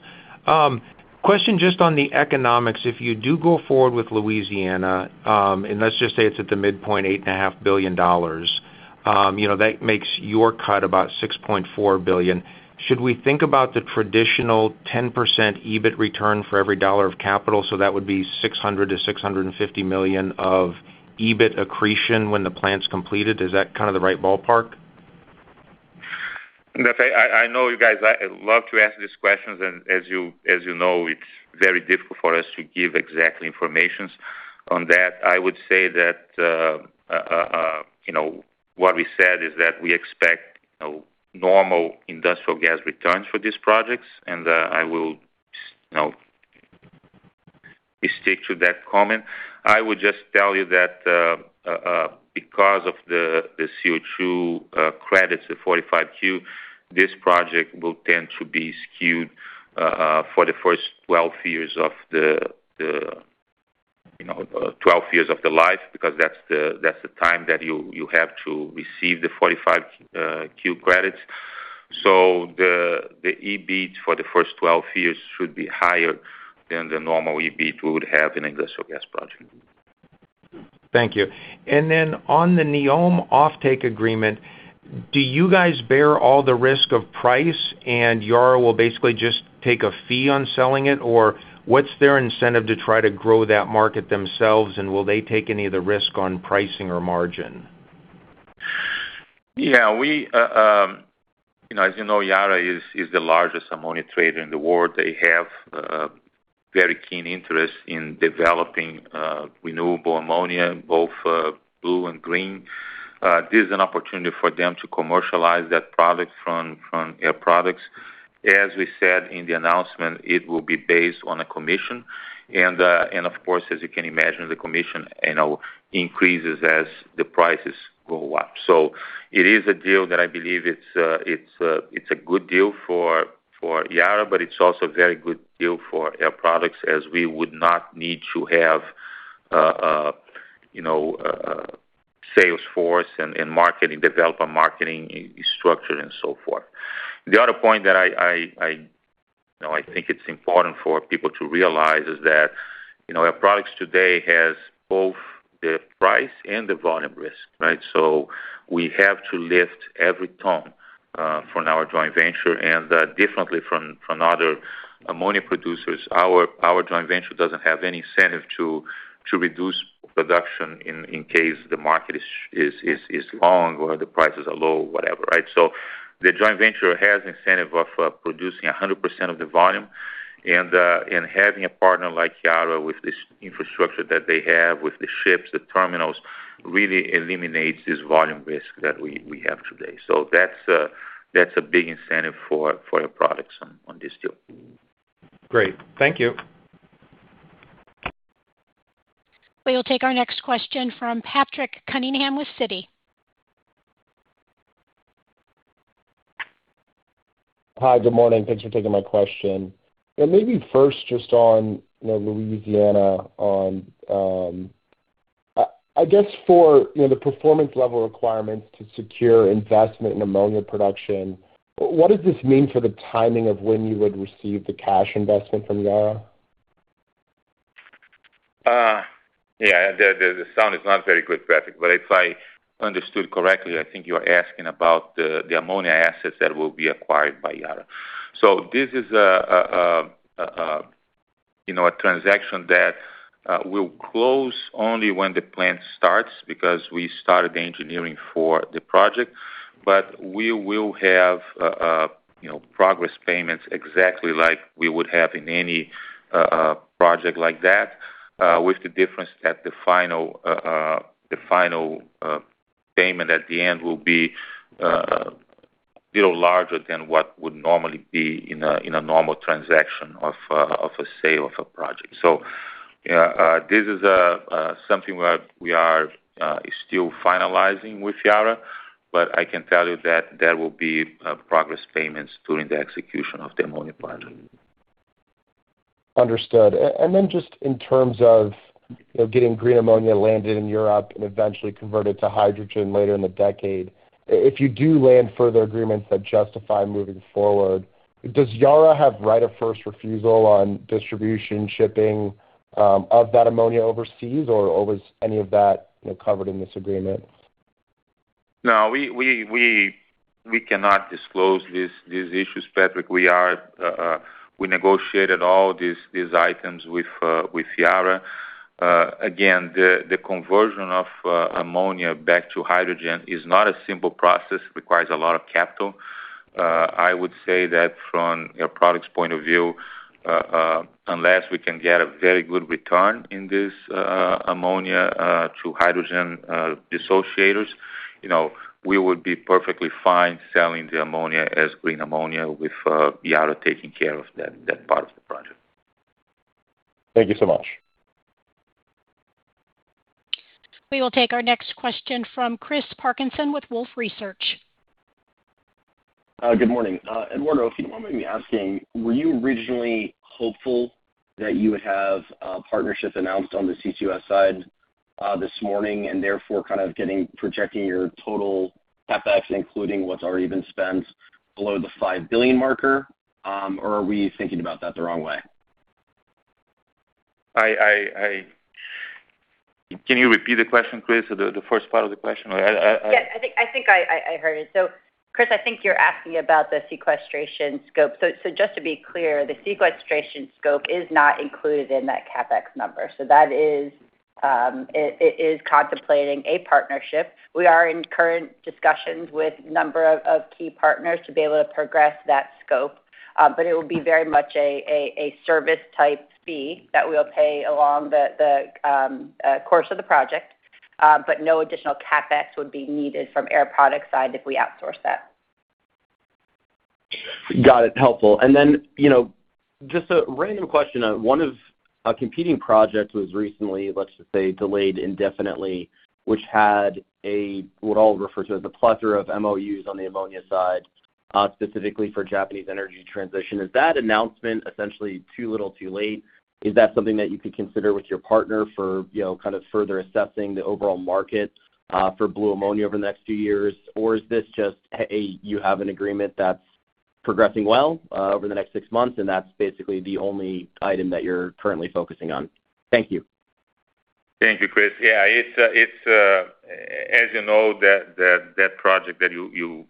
Question just on the economics. If you do go forward with Louisiana, and let's just say it's at the midpoint, $8.5 billion, that makes your cut about $6.4 billion. Should we think about the traditional 10% EBIT return for every dollar of capital? So that would be $600 million-650 million of EBIT accretion when the plant's completed. Is that kind of the right ballpark? I know you guys love to ask these questions. As you know, it's very difficult for us to give exact information on that. I would say that what we said is that we expect normal industrial gas returns for these projects. I will stick to that comment. I would just tell you that because of the CO2 credits, the 45Q, this project will tend to be skewed for the first 12 years of the 12 years of the life because that's the time that you have to receive the 45Q credits. The EBIT for the first 12 years should be higher than the normal EBIT we would have in an industrial gas project. Thank you. And then on the NEOM offtake agreement, do you guys bear all the risk of price and Yara will basically just take a fee on selling it? Or what's their incentive to try to grow that market themselves? And will they take any of the risk on pricing or margin? Yeah. As you know, Yara is the largest ammonia trader in the world. They have very keen interest in developing renewable ammonia, both blue and green. This is an opportunity for them to commercialize that product from Air Products. As we said in the announcement, it will be based on a commission. And of course, as you can imagine, the commission increases as the prices go up. So it is a deal that I believe it's a good deal for Yara, but it's also a very good deal for Air Products as we would not need to have a sales force and marketing, develop a marketing structure and so forth. The other point that I think it's important for people to realize is that Air Products today has both the price and the volume risk, right? So we have to lift every ton from our joint venture. And differently from other ammonia producers, our joint venture doesn't have any incentive to reduce production in case the market is long or the prices are low, whatever, right? So the joint venture has incentive of producing 100% of the volume. And having a partner like Yara with this infrastructure that they have with the ships, the terminals, really eliminates this volume risk that we have today. So that's a big incentive for Air Products on this deal. Great. Thank you. We will take our next question from Patrick Cunningham with Citi. Hi, good morning. Thanks for taking my question. And maybe first just on Louisiana, I guess for the performance level requirements to secure investment in ammonia production, what does this mean for the timing of when you would receive the cash investment from Yara? Yeah. The sound is not very good, Patrick, but if I understood correctly, I think you are asking about the ammonia assets that will be acquired by Yara. So this is a transaction that will close only when the plant starts because we started the engineering for the project. But we will have progress payments exactly like we would have in any project like that, with the difference that the final payment at the end will be a little larger than what would normally be in a normal transaction of a sale of a project. So this is something we are still finalizing with Yara, but I can tell you that there will be progress payments during the execution of the ammonia project. Understood. And then just in terms of getting green ammonia landed in Europe and eventually converted to hydrogen later in the decade, if you do land further agreements that justify moving forward, does Yara have right of first refusal on distribution, shipping of that ammonia overseas? Or was any of that covered in this agreement? No, we cannot disclose these issues, Patrick. We negotiated all these items with Yara. Again, the conversion of ammonia back to hydrogen is not a simple process. It requires a lot of capital. I would say that from Air Products' point of view, unless we can get a very good return in this ammonia to hydrogen dissociators, we would be perfectly fine selling the ammonia as green ammonia with Yara taking care of that part of the project. Thank you so much. We will take our next question from Chris Parkinson with Wolfe Research. Good morning. Eduardo, if you don't mind me asking, were you originally hopeful that you would have a partnership announced on the CCUS side this morning and therefore kind of projecting your total CapEx, including what's already been spent, below the $5 billion marker? Or are we thinking about that the wrong way? Can you repeat the question, Chris, the first part of the question? Yes. I think I heard it, so Chris, I think you're asking about the sequestration scope, so just to be clear, the sequestration scope is not included in that CapEx number, so it is contemplating a partnership. We are in current discussions with a number of key partners to be able to progress that scope, but it will be very much a service-type fee that we'll pay along the course of the project, but no additional CapEx would be needed from Air Products' side if we outsource that. Got it. Helpful. And then just a random question. One of our competing projects was recently, let's just say, delayed indefinitely, which had what I'll refer to as a plethora of MOUs on the ammonia side, specifically for Japanese energy transition. Is that announcement essentially too little, too late? Is that something that you could consider with your partner for kind of further assessing the overall market for blue ammonia over the next few years? Or is this just you have an agreement that's progressing well over the next six months, and that's basically the only item that you're currently focusing on? Thank you. Thank you, Chris. Yeah. As you know, that project that you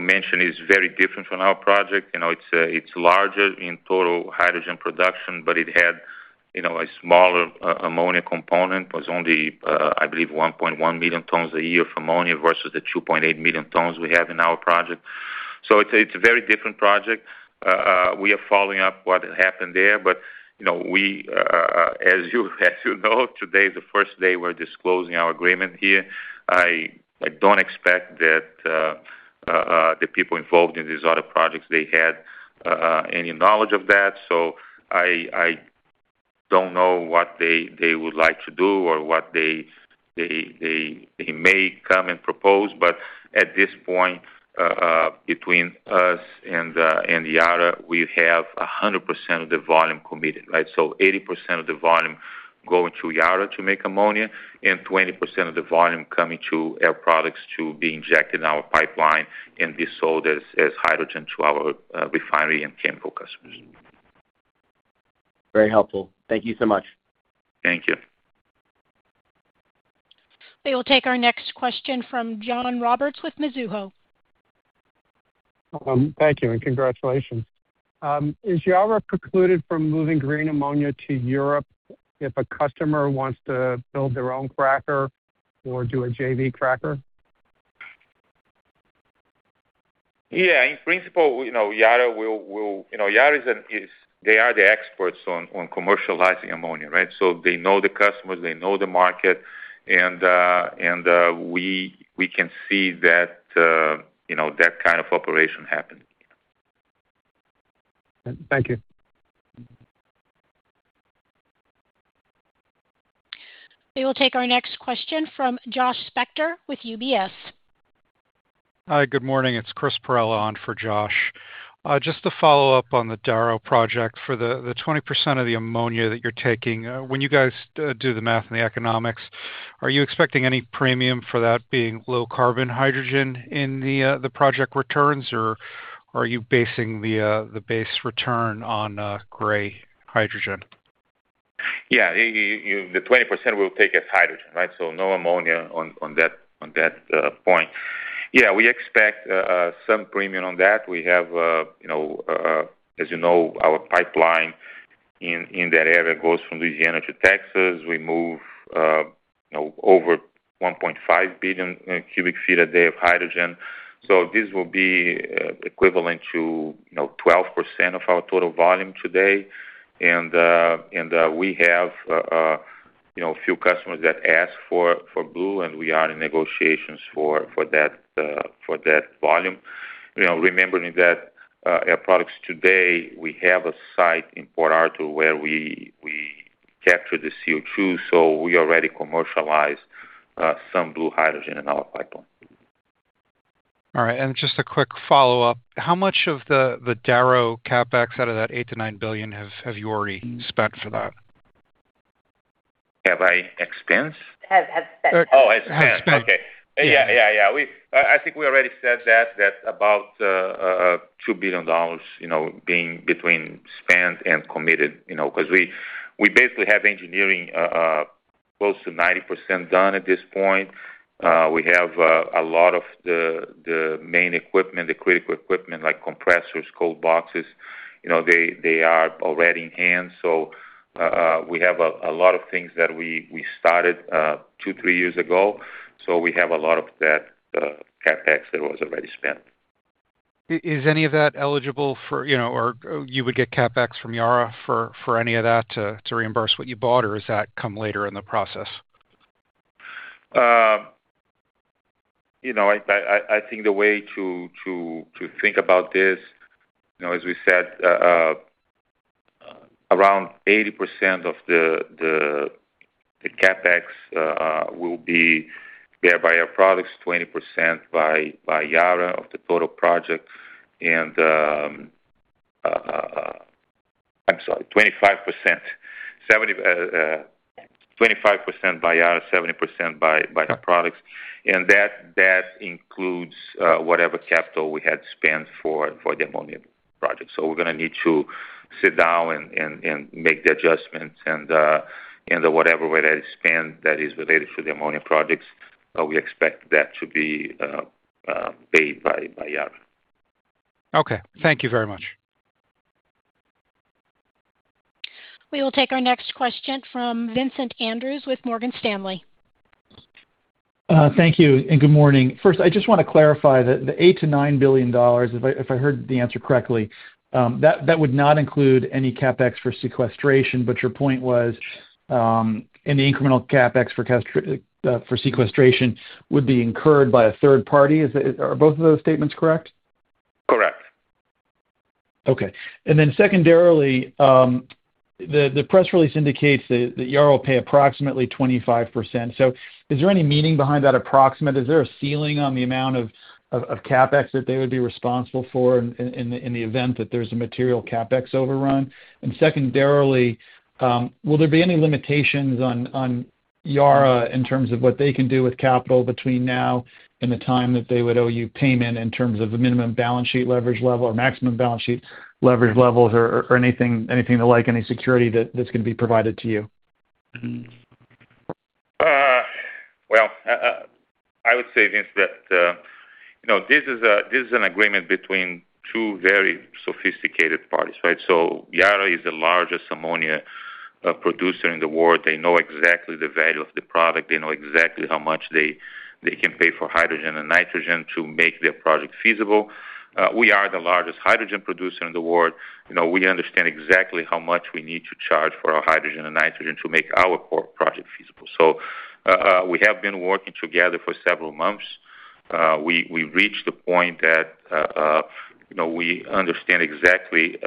mentioned is very different from our project. It's larger in total hydrogen production, but it had a smaller ammonia component. It was only, I believe, 1.1 million tons a year of ammonia versus the 2.8 million tons we have in our project. So it's a very different project. We are following up what happened there. But as you know, today is the first day we're disclosing our agreement here. I don't expect that the people involved in these other projects, they had any knowledge of that. So I don't know what they would like to do or what they may come and propose. But at this point, between us and Yara, we have 100% of the volume committed, right? So 80% of the volume going to Yara to make ammonia, and 20% of the volume coming to Air Products to be injected in our pipeline and be sold as hydrogen to our refinery and chemical customers. Very helpful. Thank you so much. Thank you. We will take our next question from John Roberts with Mizuho. Thank you and congratulations. Is Yara precluded from moving green ammonia to Europe if a customer wants to build their own cracker or do a JV cracker? Yeah. In principle, Yara. Well, they are the experts on commercializing ammonia, right? So they know the customers. They know the market. And we can see that kind of operation happen. Thank you. We will take our next question from Josh Spector with UBS. Hi, good morning. It's Chris Perrella on for Josh. Just to follow up on the Darrow project, for the 20% of the ammonia that you're taking, when you guys do the math and the economics, are you expecting any premium for that being low-carbon hydrogen in the project returns? Or are you basing the base return on gray hydrogen? Yeah. The 20% we'll take as hydrogen, right? So no ammonia on that point. Yeah. We expect some premium on that. We have, as you know, our pipeline in that area goes from Louisiana to Texas. We move over 1.5 billion cubic feet a day of hydrogen. So this will be equivalent to 12% of our total volume today. And we have a few customers that ask for blue, and we are in negotiations for that volume. Remembering that Air Products today, we have a site in Port Arthur where we capture the CO2. So we already commercialize some blue hydrogen in our pipeline. All right. And just a quick follow-up. How much of the Darrow CapEx out of that $8 billion-$9 billion have you already spent for that? Have I expensed? Have spent. I think we already said that, that about $2 billion being between spent and committed because we basically have engineering close to 90% done at this point. We have a lot of the main equipment, the critical equipment like compressors, cold boxes. They are already in hand. So we have a lot of things that we started two, three years ago. So we have a lot of that CapEx that was already spent. Is any of that eligible for, or you would get CapEx from Yara for any of that to reimburse what you bought? Or has that come later in the process? I think the way to think about this, as we said, around 80% of the CapEx will be there by Air Products, 20% by Yara of the total project, and I'm sorry, 25%, 25% by Yara, 70% by Air Products, and that includes whatever capital we had spent for the ammonia project, so we're going to need to sit down and make the adjustments, and whatever way that is spent that is related to the ammonia projects, we expect that to be paid by Yara. Okay. Thank you very much. We will take our next question from Vincent Andrews with Morgan Stanley. Thank you. And good morning. First, I just want to clarify that the $8 billion-$9 billion, if I heard the answer correctly, that would not include any CapEx for sequestration. But your point was any incremental CapEx for sequestration would be incurred by a third party. Are both of those statements correct? Correct. Okay. And then secondarily, the press release indicates that Yara will pay approximately 25%. So is there any meaning behind that approximate? Is there a ceiling on the amount of CapEx that they would be responsible for in the event that there's a material CapEx overrun? And secondarily, will there be any limitations on Yara in terms of what they can do with capital between now and the time that they would owe you payment in terms of the minimum balance sheet leverage level or maximum balance sheet leverage levels or anything like any security that's going to be provided to you? I would say this is an agreement between two very sophisticated parties, right? So Yara is the largest ammonia producer in the world. They know exactly the value of the product. They know exactly how much they can pay for hydrogen and nitrogen to make their project feasible. We are the largest hydrogen producer in the world. We understand exactly how much we need to charge for our hydrogen and nitrogen to make our project feasible. So we have been working together for several months. We reached the point that we understand exactly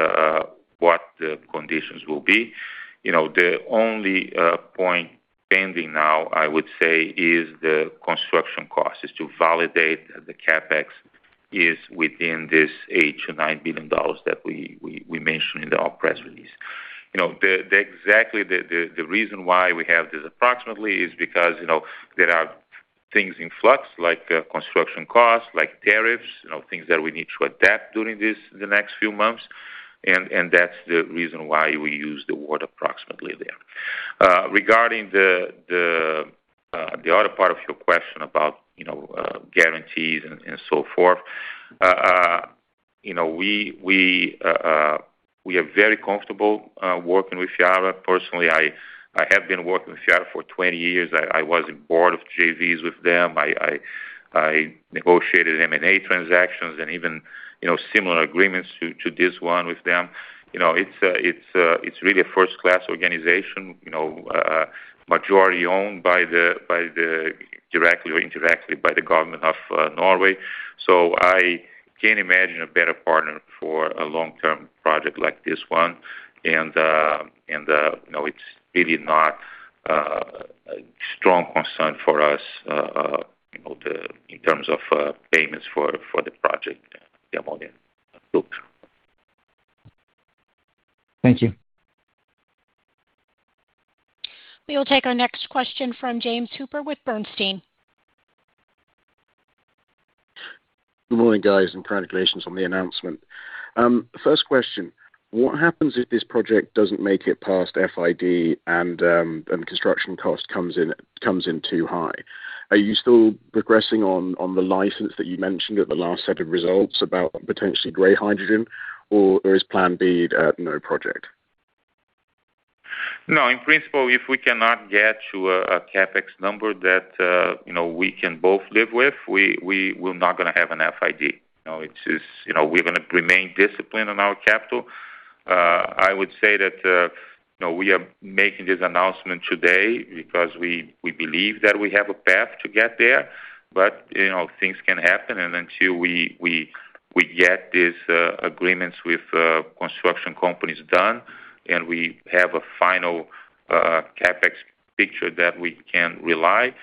what the conditions will be. The only point pending now, I would say, is the construction costs to validate that the CapEx is within this $8 billion -$9 billion that we mentioned in our press release. Exactly the reason why we have this approximately is because there are things in flux like construction costs, like tariffs, things that we need to adapt during the next few months, and that's the reason why we use the word approximately there. Regarding the other part of your question about guarantees and so forth, we are very comfortable working with Yara. Personally, I have been working with Yara for 20 years. I was in board of JVs with them. I negotiated M&A transactions and even similar agreements to this one with them. It's really a first-class organization, majority owned directly or indirectly by the Government of Norway. So I can't imagine a better partner for a long-term project like this one, and it's really not a strong concern for us in terms of payments for the project, the ammonia book. Thank you. We will take our next question from James Hooper with Bernstein. Good morning, guys. Congratulations on the announcement. First question, what happens if this project doesn't make it past FID and construction cost comes in too high? Are you still progressing on the license that you mentioned at the last set of results about potentially gray hydrogen? Or is Plan B no project? No. In principle, if we cannot get to a CapEx number that we can both live with, we're not going to have an FID. We're going to remain disciplined on our capital. I would say that we are making this announcement today because we believe that we have a path to get there. But things can happen. And until we get these agreements with construction companies done and we have a final CapEx picture that we can rely,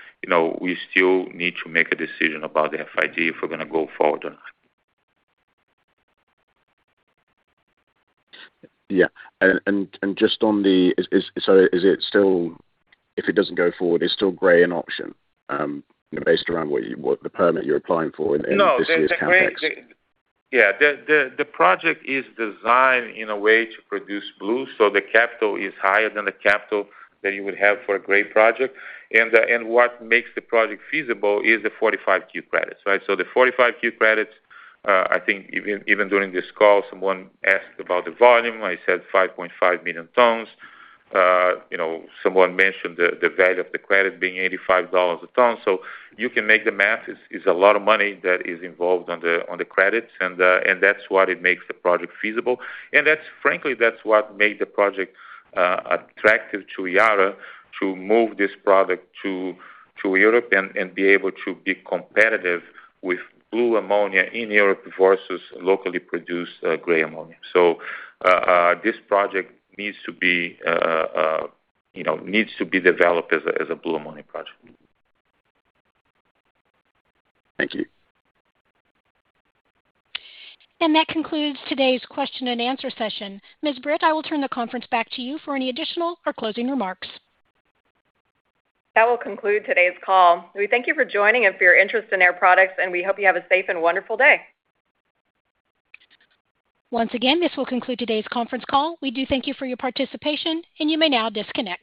we still need to make a decision about the FID if we're going to go forward or not. Yeah. And just on the, is it still if it doesn't go forward, is still gray an option based around the permit you're applying for in this year's CapEx? Yeah. The project is designed in a way to produce blue. So the capital is higher than the capital that you would have for a gray project. And what makes the project feasible is the 45Q credits, right? So the 45Q credits, I think even during this call, someone asked about the volume. I said 5.5 million tons. Someone mentioned the value of the credit being $85 a ton. So you can make the math. It's a lot of money that is involved on the credits. And that's what makes the project feasible. And frankly, that's what made the project attractive to Yara to move this product to Europe and be able to be competitive with blue ammonia in Europe versus locally produced gray ammonia. So this project needs to be developed as a blue ammonia project. Thank you. That concludes today's question and answer session. Ms. Britt, I will turn the conference back to you for any additional or closing remarks. That will conclude today's call. We thank you for joining and for your interest in Air Products. And we hope you have a safe and wonderful day. Once again, this will conclude today's conference call. We do thank you for your participation, and you may now disconnect.